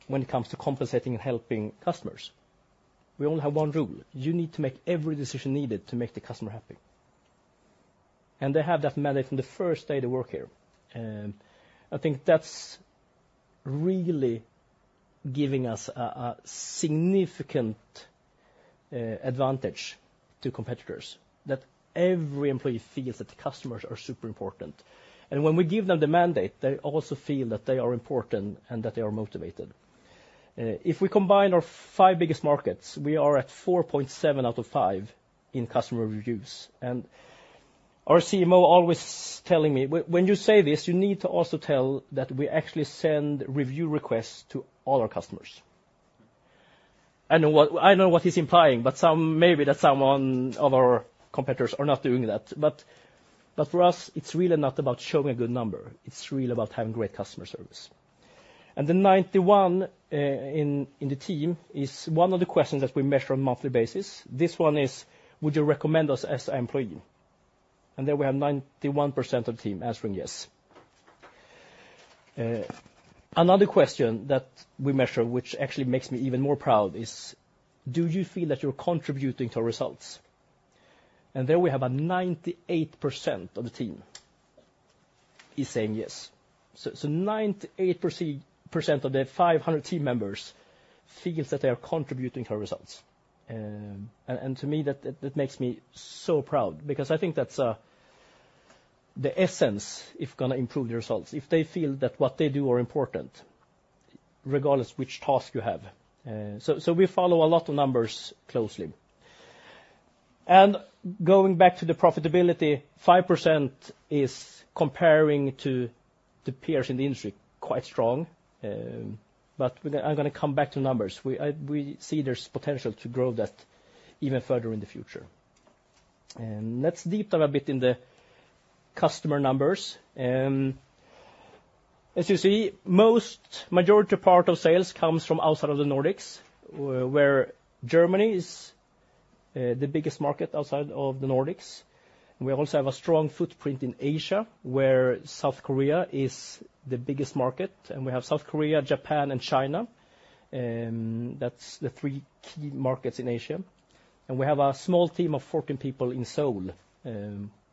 when it comes to compensating and helping customers. We only have one rule. You need to make every decision needed to make the customer happy. They have that mandate from the first day they work here. I think that's really giving us a significant advantage to competitors, that every employee feels that the customers are super important. When we give them the mandate, they also feel that they are important and that they are motivated. If we combine our five biggest markets, we are at 4.7 out of 5 in customer reviews. Our CMO is always telling me, "When you say this, you need to also tell that we actually send review requests to all our customers." I know what he's implying, but maybe that some of our competitors are not doing that. But for us, it's really not about showing a good number. It's really about having great customer service. The 91 in the team is one of the questions that we measure on a monthly basis. This one is, "Would you recommend us as an employee?" There we have 91% of the team answering yes. Another question that we measure, which actually makes me even more proud, is, "Do you feel that you're contributing to our results?" There we have 98% of the team saying yes. 98% of the 500 team members feel that they are contributing to our results. To me, that makes me so proud because I think that's the essence, if you're going to improve the results, if they feel that what they do is important, regardless of which task you have. We follow a lot of numbers closely. Going back to the profitability, 5% is comparing to the peers in the industry quite strong. But I'm going to come back to numbers. We see there's potential to grow that even further in the future. Let's deep dive a bit in the customer numbers. As you see, the majority part of sales comes from outside of the Nordics, where Germany is the biggest market outside of the Nordics. We also have a strong footprint in Asia, where South Korea is the biggest market. We have South Korea, Japan, and China. That's the three key markets in Asia. We have a small team of 14 people in Seoul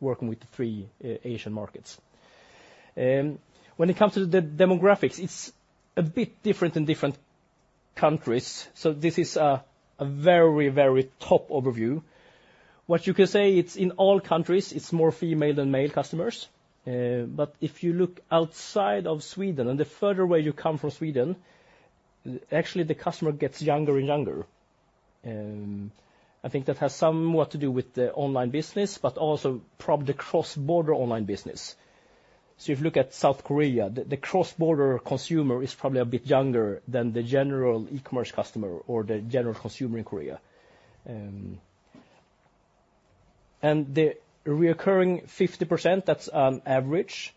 working with the three Asian markets. When it comes to the demographics, it's a bit different in different countries. This is a very, very top overview. What you can say, it's in all countries, it's more female than male customers. But if you look outside of Sweden and the further away you come from Sweden, actually, the customer gets younger and younger. I think that has somewhat to do with the online business but also probably the cross-border online business. So if you look at South Korea, the cross-border consumer is probably a bit younger than the general e-commerce customer or the general consumer in Korea. The recurring 50%, that's an average.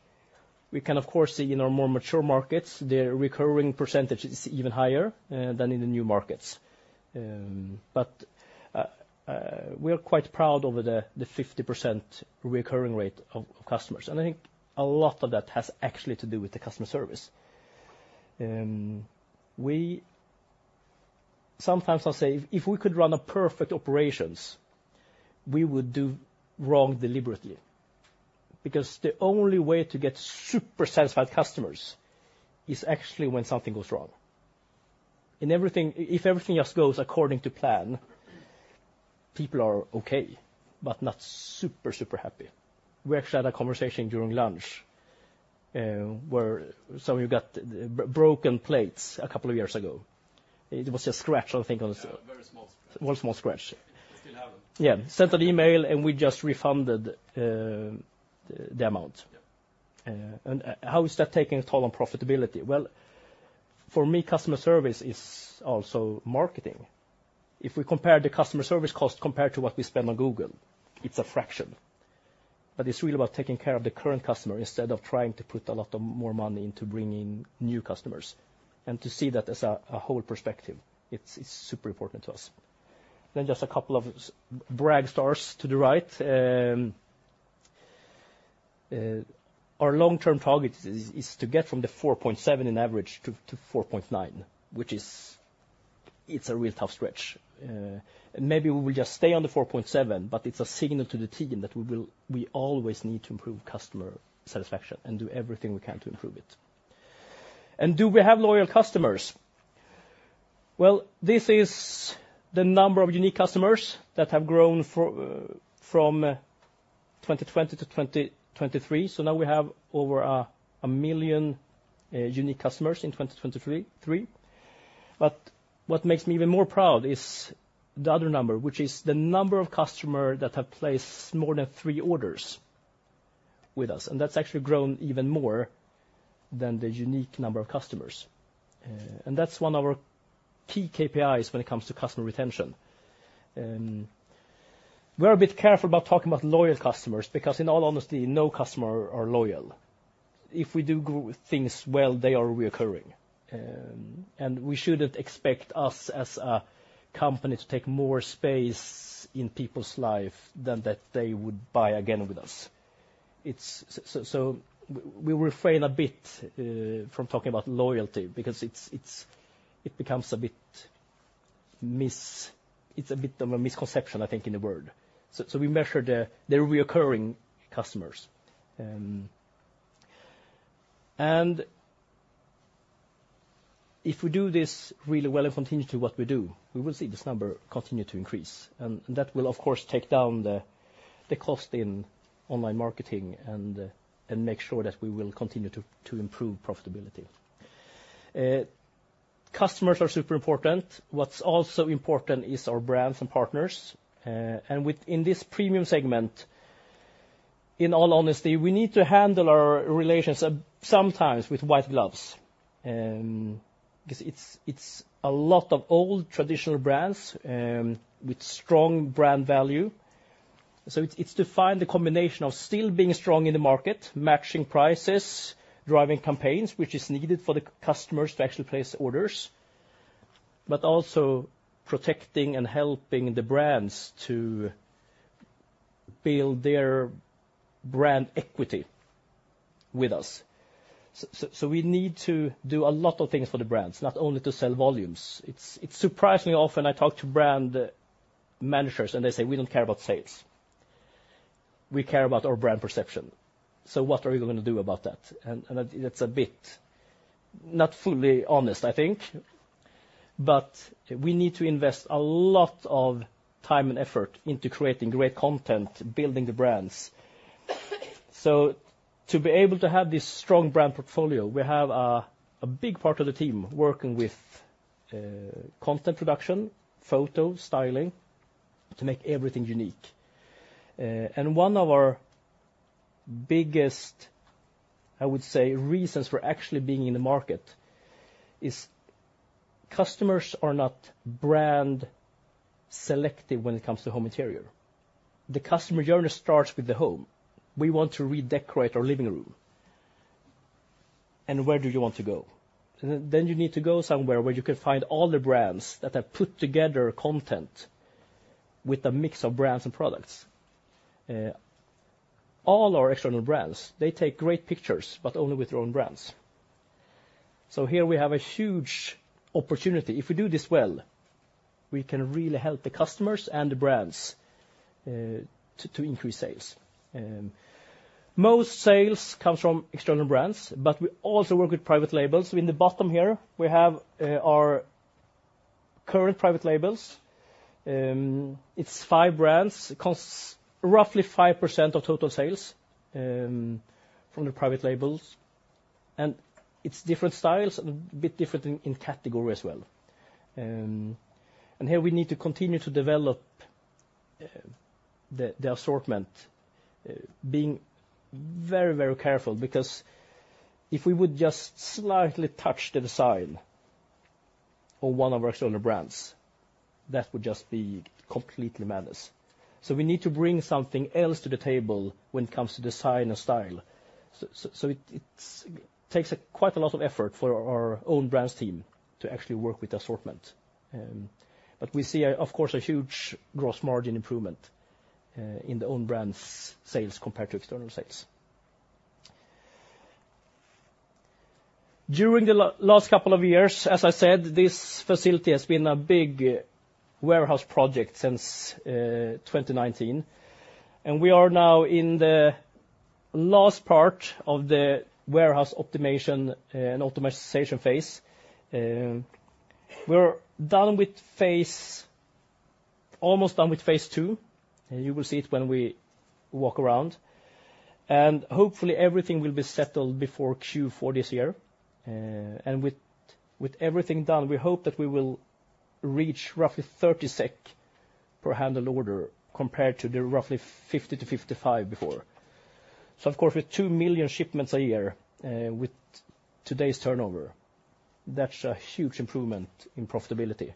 We can, of course, see in our more mature markets, the recurring percentage is even higher than in the new markets. But we are quite proud of the 50% recurring rate of customers. And I think a lot of that has actually to do with the customer service. Sometimes I'll say, "If we could run a perfect operations, we would do wrong deliberately." Because the only way to get super satisfied customers is actually when something goes wrong. If everything just goes according to plan, people are okay but not super, super happy. We actually had a conversation during lunch where somebody got broken plates a couple of years ago. It was just a scratch, I think, on the side. Yeah, a very small scratch. Well, a small scratch. Still happen. Yeah. Sent an email, and we just refunded the amount. And how is that taking a toll on profitability? Well, for me, customer service is also marketing. If we compare the customer service cost compared to what we spend on Google, it's a fraction. But it's really about taking care of the current customer instead of trying to put a lot more money into bringing new customers. And to see that as a whole perspective, it's super important to us. Then just a couple of Trustpilot stars to the right. Our long-term target is to get from the 4.7 in average to 4.9, which is a real tough stretch. And maybe we will just stay on the 4.7, but it's a signal to the team that we always need to improve customer satisfaction and do everything we can to improve it. And do we have loyal customers? Well, this is the number of unique customers that have grown from 2020-2023. So now we have over 1 million unique customers in 2023. But what makes me even more proud is the other number, which is the number of customers that have placed more than three orders with us. And that's actually grown even more than the unique number of customers. And that's one of our key KPIs when it comes to customer retention. We are a bit careful about talking about loyal customers because, in all honesty, no customers are loyal. If we do things well, they are reoccurring. And we shouldn't expect us as a company to take more space in people's lives than that they would buy again with us. So we refrain a bit from talking about loyalty because it becomes a bit misleading; it's a bit of a misconception, I think, in the word. We measure the recurring customers. And if we do this really well and continue to do what we do, we will see this number continue to increase. And that will, of course, take down the cost in online marketing and make sure that we will continue to improve profitability. Customers are super important. What's also important is our brands and partners. And in this premium segment, in all honesty, we need to handle our relations sometimes with white gloves because it's a lot of old, traditional brands with strong brand value. So it's to find the combination of still being strong in the market, matching prices, driving campaigns, which is needed for the customers to actually place orders, but also protecting and helping the brands to build their brand equity with us. So we need to do a lot of things for the brands, not only to sell volumes. Surprisingly often, I talk to brand managers, and they say, "We don't care about sales. We care about our brand perception. So what are we going to do about that?" And that's a bit not fully honest, I think. But we need to invest a lot of time and effort into creating great content, building the brands. So to be able to have this strong brand portfolio, we have a big part of the team working with content production, photo, styling to make everything unique. One of our biggest, I would say, reasons for actually being in the market is customers are not brand selective when it comes to home interior. The customer journey starts with the home. We want to redecorate our living room. And where do you want to go? Then you need to go somewhere where you can find all the brands that have put together content with a mix of brands and products. All our external brands, they take great pictures but only with their own brands. So here we have a huge opportunity. If we do this well, we can really help the customers and the brands to increase sales. Most sales come from external brands, but we also work with private labels. So in the bottom here, we have our current private labels. It's five brands. It costs roughly 5% of total sales from the private labels. It's different styles and a bit different in category as well. Here we need to continue to develop the assortment, being very, very careful because if we would just slightly touch the design of one of our external brands, that would just be completely madness. So we need to bring something else to the table when it comes to design and style. So it takes quite a lot of effort for our own brands team to actually work with the assortment. But we see, of course, a huge gross margin improvement in the own brands' sales compared to external sales. During the last couple of years, as I said, this facility has been a big warehouse project since 2019. We are now in the last part of the warehouse optimization and automation phase. We're almost done with phase two. You will see it when we walk around. Hopefully, everything will be settled before Q4 this year. With everything done, we hope that we will reach roughly 30 SEK per handled order compared to the roughly 50-55 before. So, of course, with 2 million shipments a year with today's turnover, that's a huge improvement in profitability.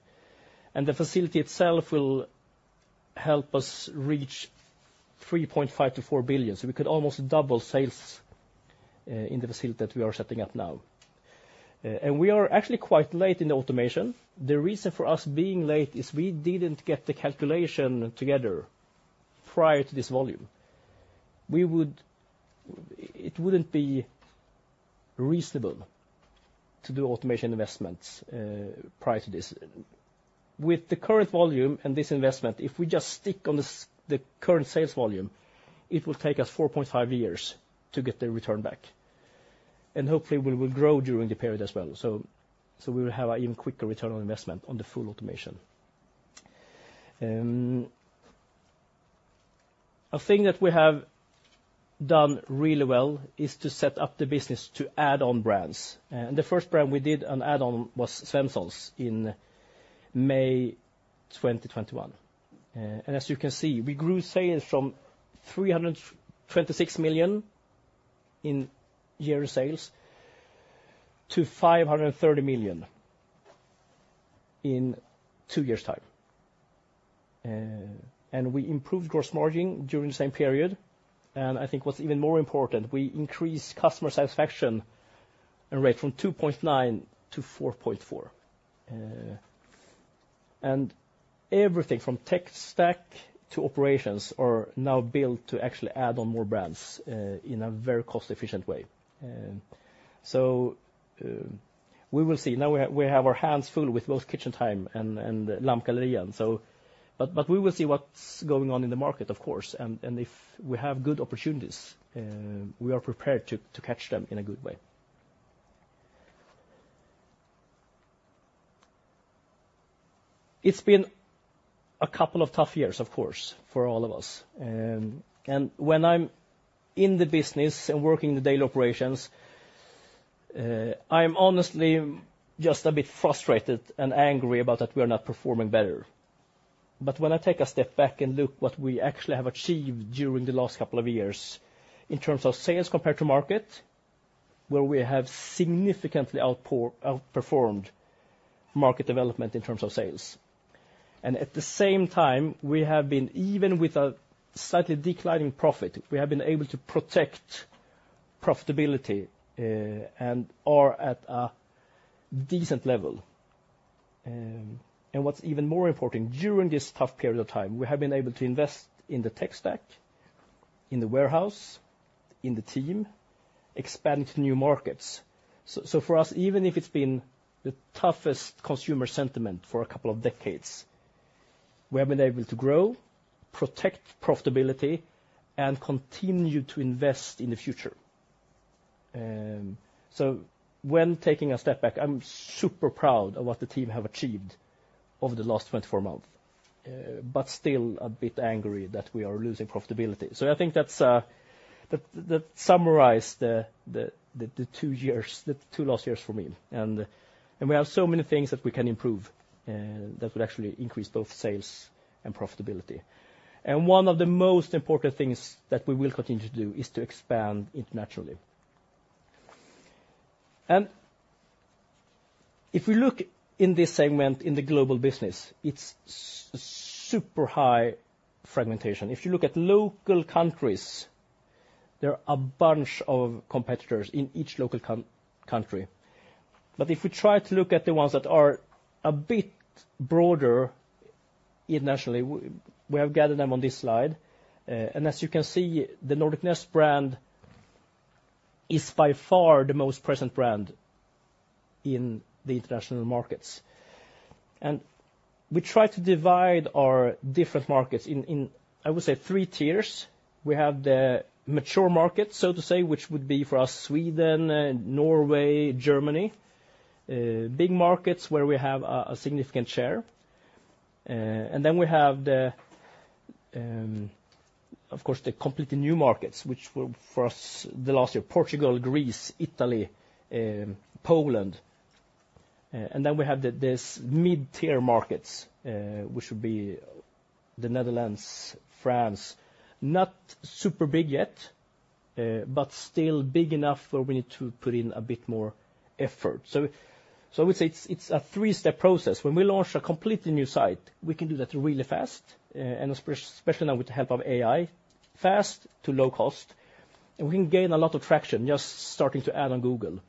The facility itself will help us reach 3.5-4 billion. We could almost double sales in the facility that we are setting up now. We are actually quite late in the automation. The reason for us being late is we didn't get the calculation together prior to this volume. It wouldn't be reasonable to do automation investments prior to this. With the current volume and this investment, if we just stick on the current sales volume, it will take us 4.5 years to get the return back. And hopefully, we will grow during the period as well. So we will have an even quicker return on investment on the full automation. A thing that we have done really well is to set up the business to add-on brands. And the first brand we did an add-on was Svenssons in May 2021. And as you can see, we grew sales from 326 million in year-end sales to 530 million in two years' time. And we improved gross margin during the same period. And I think what's even more important, we increased customer satisfaction rate from 2.9-4.4. And everything from tech stack to operations are now built to actually add on more brands in a very cost-efficient way. So we will see. Now we have our hands full with both KitchenTime and Lampgallerian. But we will see what's going on in the market, of course. If we have good opportunities, we are prepared to catch them in a good way. It's been a couple of tough years, of course, for all of us. When I'm in the business and working in the daily operations, I'm honestly just a bit frustrated and angry about that we are not performing better. But when I take a step back and look at what we actually have achieved during the last couple of years in terms of sales compared to market, where we have significantly outperformed market development in terms of sales. At the same time, we have been even with a slightly declining profit, we have been able to protect profitability and are at a decent level. What's even more important, during this tough period of time, we have been able to invest in the tech stack, in the warehouse, in the team, expand to new markets. So for us, even if it's been the toughest consumer sentiment for a couple of decades, we have been able to grow, protect profitability, and continue to invest in the future. So when taking a step back, I'm super proud of what the team have achieved over the last 24 months but still a bit angry that we are losing profitability. So I think that summarized the two last years for me. We have so many things that we can improve that would actually increase both sales and profitability. One of the most important things that we will continue to do is to expand internationally. If we look in this segment in the global business, it's super high fragmentation. If you look at local countries, there are a bunch of competitors in each local country. But if we try to look at the ones that are a bit broader internationally, we have gathered them on this slide. As you can see, the Nordic Nest brand is by far the most present brand in the international markets. We try to divide our different markets in, I would say, three tiers. We have the mature markets, so to say, which would be for us Sweden, Norway, Germany, big markets where we have a significant share. Then we have, of course, the completely new markets, which were for us last year Portugal, Greece, Italy, Poland. Then we have these mid-tier markets, which would be the Netherlands, France. Not super big yet but still big enough where we need to put in a bit more effort. I would say it's a three-step process. When we launch a completely new site, we can do that really fast, and especially now with the help of AI, fast to low cost. We can gain a lot of traction just starting to add on Google.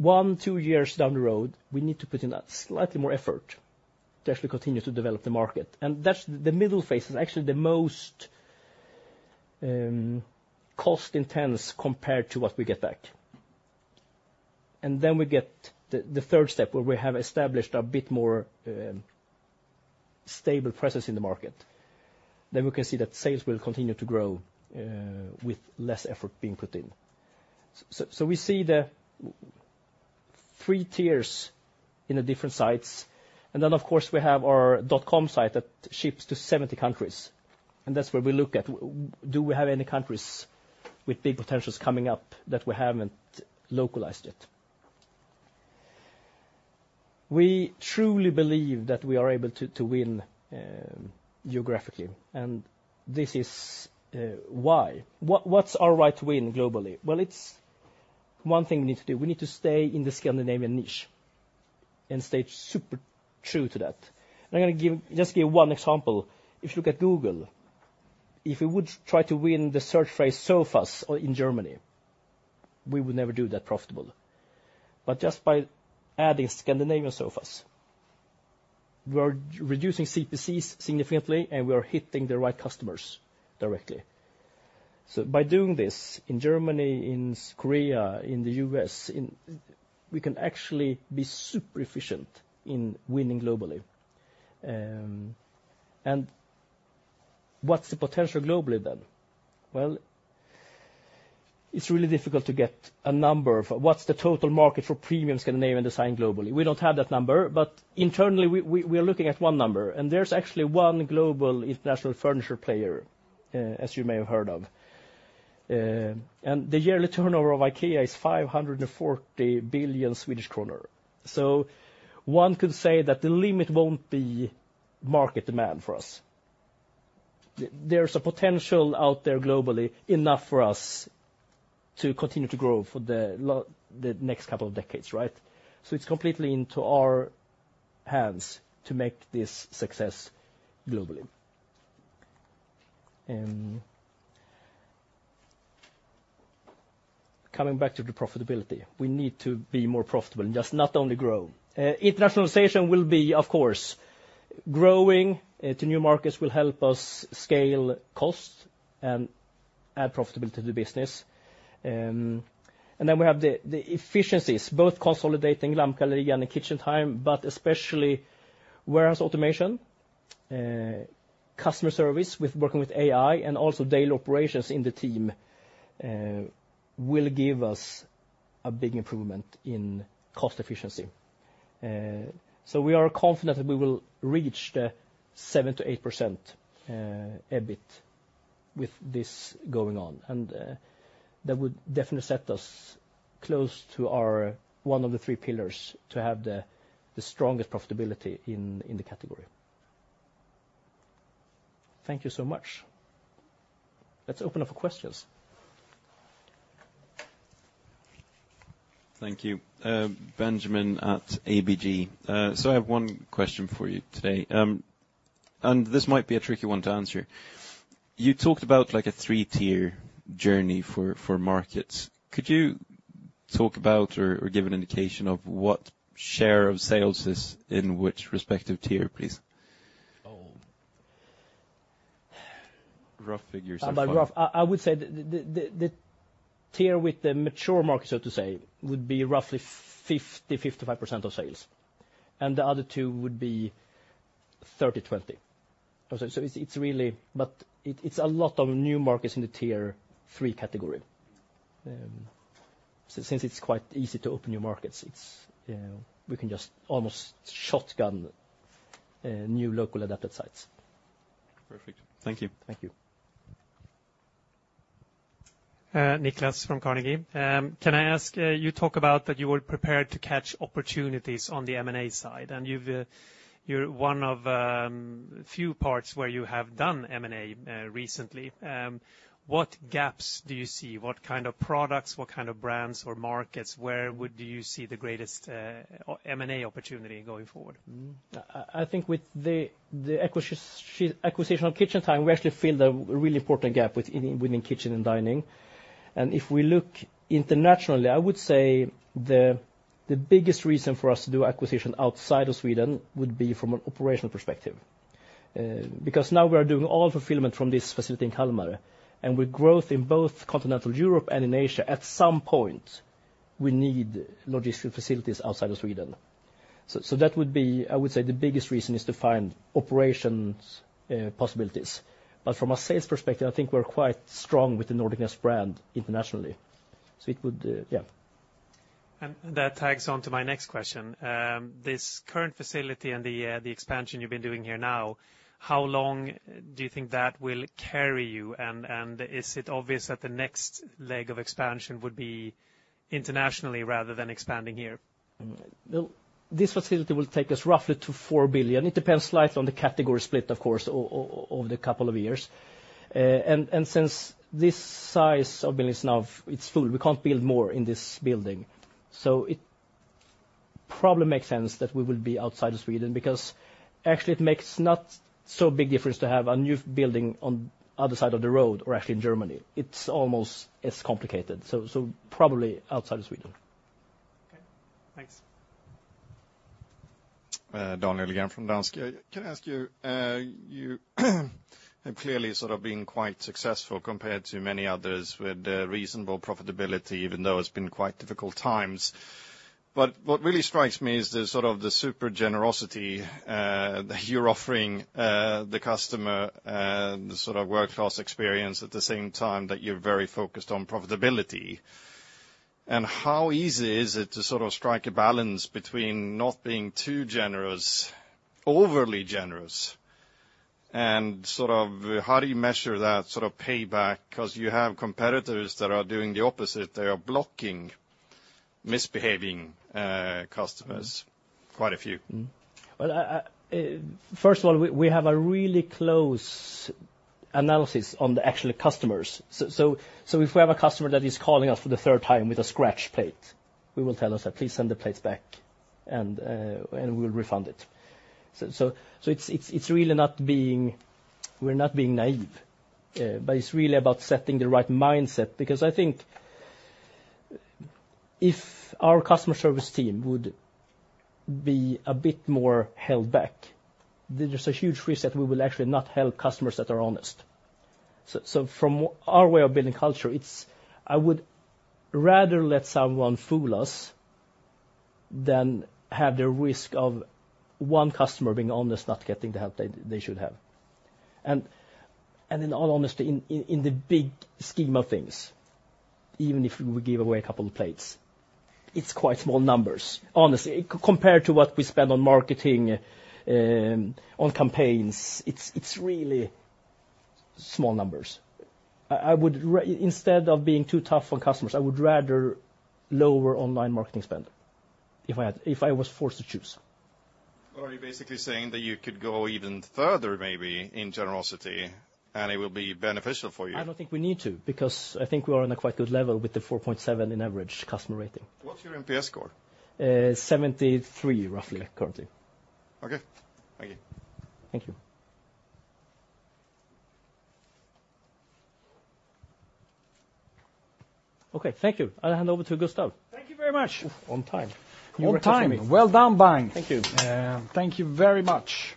1-2 years down the road, we need to put in slightly more effort to actually continue to develop the market. The middle phase is actually the most cost-intense compared to what we get back. Then we get the third step where we have established a bit more stable presence in the market. We can see that sales will continue to grow with less effort being put in. We see the three tiers in the different sites. And then, of course, we have our dot-com site that ships to 70 countries. That's where we look at, do we have any countries with big potentials coming up that we haven't localized yet? We truly believe that we are able to win geographically. And this is why. What's our right to win globally? Well, it's one thing we need to do. We need to stay in the Scandinavian niche and stay super true to that. I'm going to just give one example. If you look at Google, if we would try to win the search phrase sofas in Germany, we would never do that profitably. But just by adding Scandinavian sofas, we are reducing CPCs significantly, and we are hitting the right customers directly. So by doing this in Germany, in Korea, in the US, we can actually be super efficient in winning globally. What's the potential globally, then? Well, it's really difficult to get a number of what's the total market for premium Scandinavian design globally? We don't have that number. Internally, we are looking at one number. There's actually one global international furniture player, as you may have heard of. The yearly turnover of IKEA is 540 billion Swedish kronor. One could say that the limit won't be market demand for us. There's a potential out there globally enough for us to continue to grow for the next couple of decades, right? It's completely into our hands to make this success globally. Coming back to the profitability, we need to be more profitable and just not only grow. Internationalization will be, of course, growing to new markets will help us scale costs and add profitability to the business. And then we have the efficiencies, both consolidating Lampgallerian and KitchenTime, but especially warehouse automation, customer service working with AI, and also daily operations in the team will give us a big improvement in cost efficiency. So we are confident that we will reach the 7%-8% EBIT with this going on. And that would definitely set us close to one of the three pillars to have the strongest profitability in the category. Thank you so much. Let's open up for questions. Thank you. Benjamin at ABG. So I have one question for you today. And this might be a tricky one to answer. You talked about a three-tier journey for markets. Could you talk about or give an indication of what share of sales is in which respective tier, please? Oh. Rough figures, I'm sorry. I would say the tier with the mature markets, so to say, would be roughly 50%-55% of sales. The other two would be 30%, 20%. It's a lot of new markets in the tier three category. Since it's quite easy to open new markets, we can just almost shotgun new local adapted sites. Perfect. Thank you. Thank you. Niklas from Carnegie, can I ask you talk about that you were prepared to catch opportunities on the M&A side? You're one of a few parts where you have done M&A recently. What gaps do you see? What kind of products, what kind of brands or markets? Where do you see the greatest M&A opportunity going forward? I think with the acquisition of KitchenTime, we actually filled a really important gap within kitchen and dining. If we look internationally, I would say the biggest reason for us to do acquisition outside of Sweden would be from an operational perspective. Because now we are doing all fulfillment from this facility in Kalmar. With growth in both continental Europe and in Asia, at some point, we need logistical facilities outside of Sweden. So that would be, I would say, the biggest reason is to find operations possibilities. But from a sales perspective, I think we're quite strong with the Nordic Nest brand internationally. So it would, yeah. That tacks on to my next question. This current facility and the expansion you've been doing here now, how long do you think that will carry you? Is it obvious that the next leg of expansion would be internationally rather than expanding here? This facility will take us roughly to 4 billion. It depends slightly on the category split, of course, over the couple of years. Since this size of building is now, it's full. We can't build more in this building. It probably makes sense that we will be outside of Sweden because actually, it makes not so big difference to have a new building on the other side of the road or actually in Germany. It's almost as complicated. Probably outside of Sweden. Okay. Thanks. Daniel Schmidt from Danske Bank. Can I ask you? Clearly, sort of been quite successful compared to many others with reasonable profitability, even though it's been quite difficult times. What really strikes me is the super generosity that you're offering the customer, the sort of world-class experience at the same time that you're very focused on profitability. How easy is it to sort of strike a balance between not being too generous, overly generous? How do you measure that sort of payback? Because you have competitors that are doing the opposite. They are blocking misbehaving customers, quite a few. Well, first of all, we have a really close analysis on the actual customers. So if we have a customer that is calling us for the third time with a scratch plate, we will tell us that, "Please send the plates back, and we will refund it." So it's really not being we're not being naive. But it's really about setting the right mindset. Because I think if our customer service team would be a bit more held back, there's a huge risk that we will actually not help customers that are honest. So from our way of building culture, I would rather let someone fool us than have the risk of one customer being honest, not getting the help they should have. In all honesty, in the big scheme of things, even if we give away a couple of plates, it's quite small numbers, honestly, compared to what we spend on marketing, on campaigns. It's really small numbers. Instead of being too tough on customers, I would rather lower online marketing spend if I was forced to choose. Well, are you basically saying that you could go even further, maybe, in generosity, and it will be beneficial for you? I don't think we need to because I think we are on a quite good level with the 4.7 in average customer rating. What's your NPS score? 73, roughly, currently. Okay. Thank you. Thank you. Okay. Thank you. I'll hand over to Gustaf. Thank you very much. On time. On time. Well done, Bank. Thank you. Thank you very much.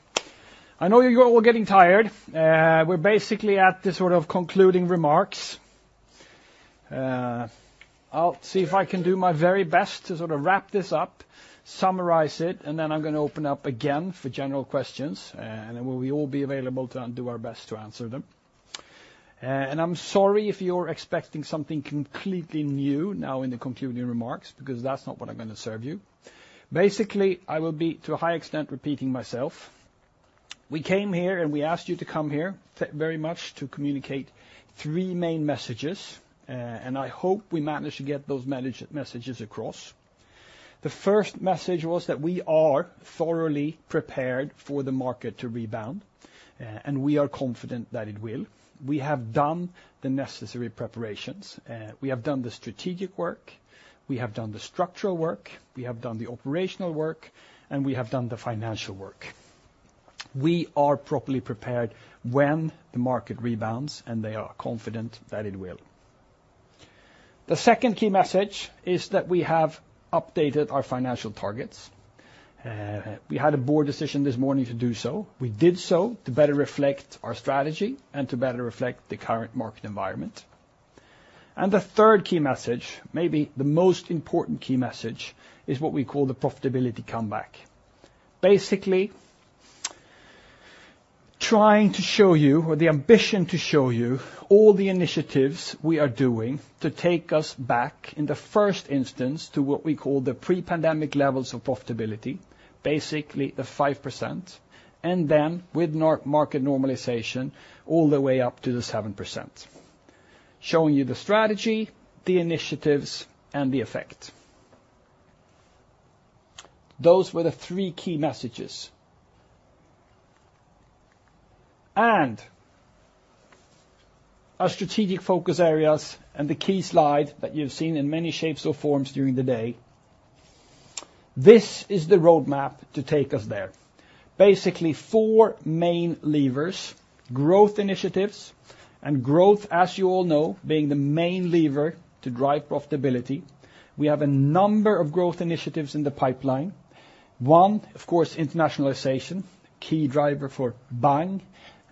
I know you're all getting tired. We're basically at the sort of concluding remarks. I'll see if I can do my very best to sort of wrap this up, summarize it, and then I'm going to open up again for general questions. Then we will all be available to do our best to answer them. I'm sorry if you're expecting something completely new now in the concluding remarks because that's not what I'm going to serve you. Basically, I will be, to a high extent, repeating myself. We came here, and we asked you to come here very much to communicate three main messages. I hope we manage to get those messages across. The first message was that we are thoroughly prepared for the market to rebound, and we are confident that it will. We have done the necessary preparations. We have done the strategic work. We have done the structural work. We have done the operational work, and we have done the financial work. We are properly prepared when the market rebounds, and they are confident that it will. The second key message is that we have updated our financial targets. We had a board decision this morning to do so. We did so to better reflect our strategy and to better reflect the current market environment. The third key message, maybe the most important key message, is what we call the profitability comeback. Basically, trying to show you or the ambition to show you all the initiatives we are doing to take us back, in the first instance, to what we call the pre-pandemic levels of profitability, basically the 5%, and then with market normalization all the way up to the 7%, showing you the strategy, the initiatives, and the effect. Those were the three key messages. Our strategic focus areas and the key slide that you've seen in many shapes or forms during the day, this is the roadmap to take us there. Basically, four main levers: growth initiatives and growth, as you all know, being the main lever to drive profitability. We have a number of growth initiatives in the pipeline. One, of course, internationalization, key driver for Bank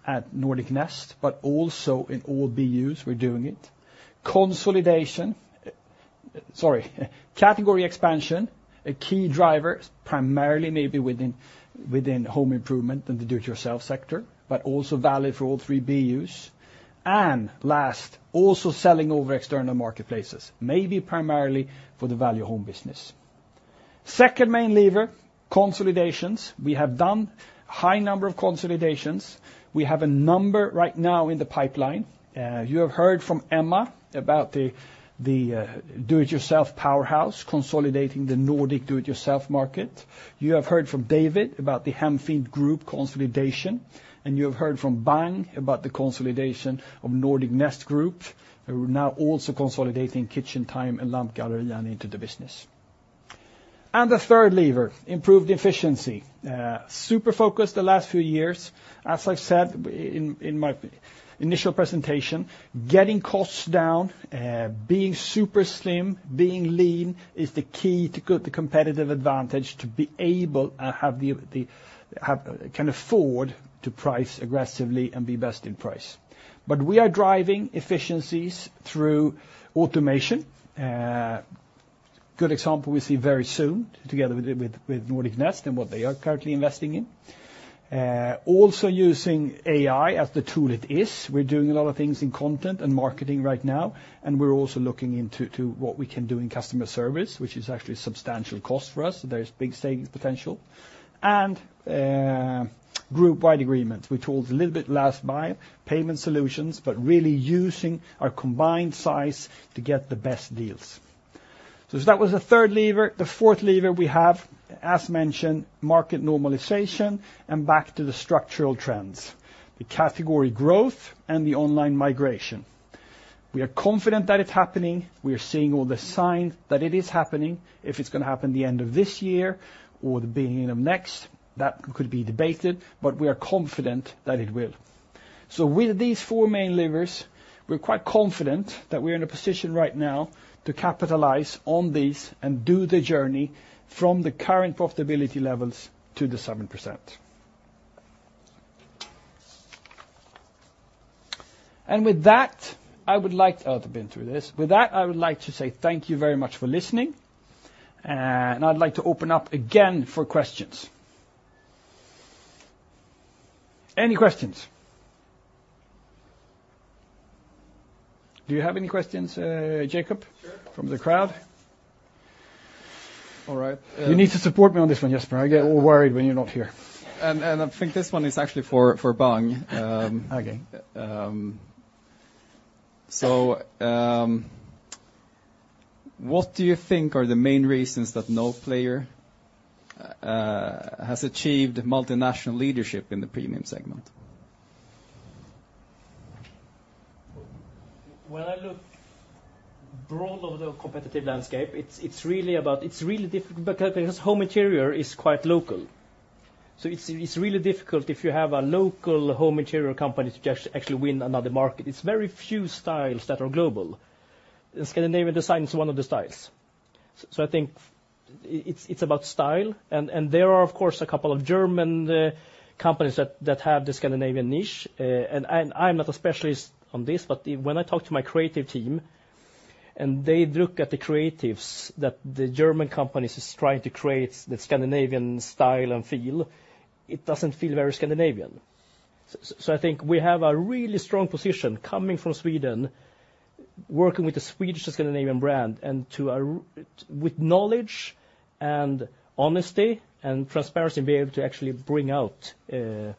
at Nordic Nest, but also in all BUs, we're doing it. Sorry. Category expansion, a key driver, primarily maybe within home improvement and the Do-It-Yourself sector, but also valid for all three BUs. Last, also selling over external marketplaces, maybe primarily for the Value Home business. Second main lever, consolidations. We have done a high number of consolidations. We have a number right now in the pipeline. You have heard from Emma about the Do-It-Yourself powerhouse consolidating the Nordic Do-It-Yourself market. You have heard from David about the Hemfint Group consolidation. You have heard from Bang about the consolidation of Nordic Nest Group, who are now also consolidating KitchenTime and Lampgallerian into the business. The third lever, improved efficiency. Super focused the last few years. As I've said in my initial presentation, getting costs down, being super slim, being lean is the key to the competitive advantage to be able to kind of afford to price aggressively and be best in price. But we are driving efficiencies through automation. Good example we see very soon together with Nordic Nest and what they are currently investing in. Also using AI as the tool it is. We're doing a lot of things in content and marketing right now. And we're also looking into what we can do in customer service, which is actually substantial cost for us. There's big savings potential. And group-wide agreements. We told a little bit last mile, payment solutions, but really using our combined size to get the best deals. So that was the third lever. The fourth lever we have, as mentioned, market normalization and back to the structural trends, the category growth and the online migration. We are confident that it's happening. We are seeing all the signs that it is happening. If it's going to happen the end of this year or the beginning of next, that could be debated. But we are confident that it will. So with these four main levers, we're quite confident that we're in a position right now to capitalize on these and do the journey from the current profitability levels to the 7%. And with that, I would like to say thank you very much for listening. And I'd like to open up again for questions. Any questions? Do you have any questions, Jacob, from the crowd? All right. You need to support me on this one, Jesper. I get all worried when you're not here. I think this one is actually for Bank. So what do you think are the main reasons that no player has achieved multinational leadership in the premium segment? When I look broad over the competitive landscape, it's really about because home interior is quite local. So it's really difficult if you have a local home interior company to actually win another market. It's very few styles that are global. And Scandinavian design is one of the styles. So I think it's about style. And there are, of course, a couple of German companies that have the Scandinavian niche. And I'm not a specialist on this. But when I talk to my creative team, and they look at the creatives that the German companies are trying to create, the Scandinavian style and feel, it doesn't feel very Scandinavian. So I think we have a really strong position coming from Sweden, working with the Swedish and Scandinavian brand, and with knowledge and honesty and transparency, being able to actually bring out the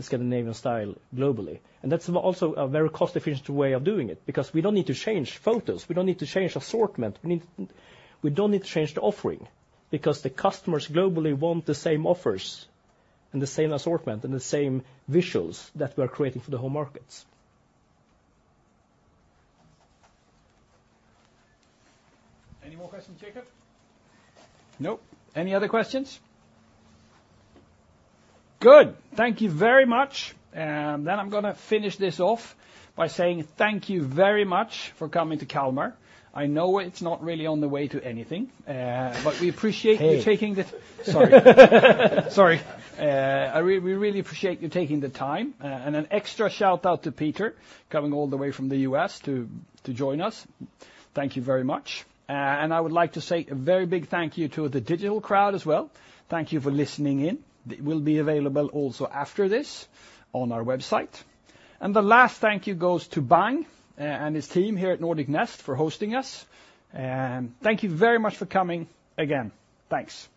Scandinavian style globally. That's also a very cost-efficient way of doing it because we don't need to change photos. We don't need to change assortment. We don't need to change the offering because the customers globally want the same offers and the same assortment and the same visuals that we are creating for the home markets. Any more questions, Jacob? Nope. Any other questions? Good. Thank you very much. And then I'm going to finish this off by saying thank you very much for coming to Kalmar. I know it's not really on the way to anything. But we appreciate you taking the. Hey. Sorry. Sorry. We really appreciate you taking the time. And an extra shout-out to Peter coming all the way from the U.S. to join us. Thank you very much. And I would like to say a very big thank you to the digital crowd as well. Thank you for listening in. We'll be available also after this on our website. And the last thank you goes to Bank and his team here at Nordic Nest for hosting us. And thank you very much for coming again. Thanks.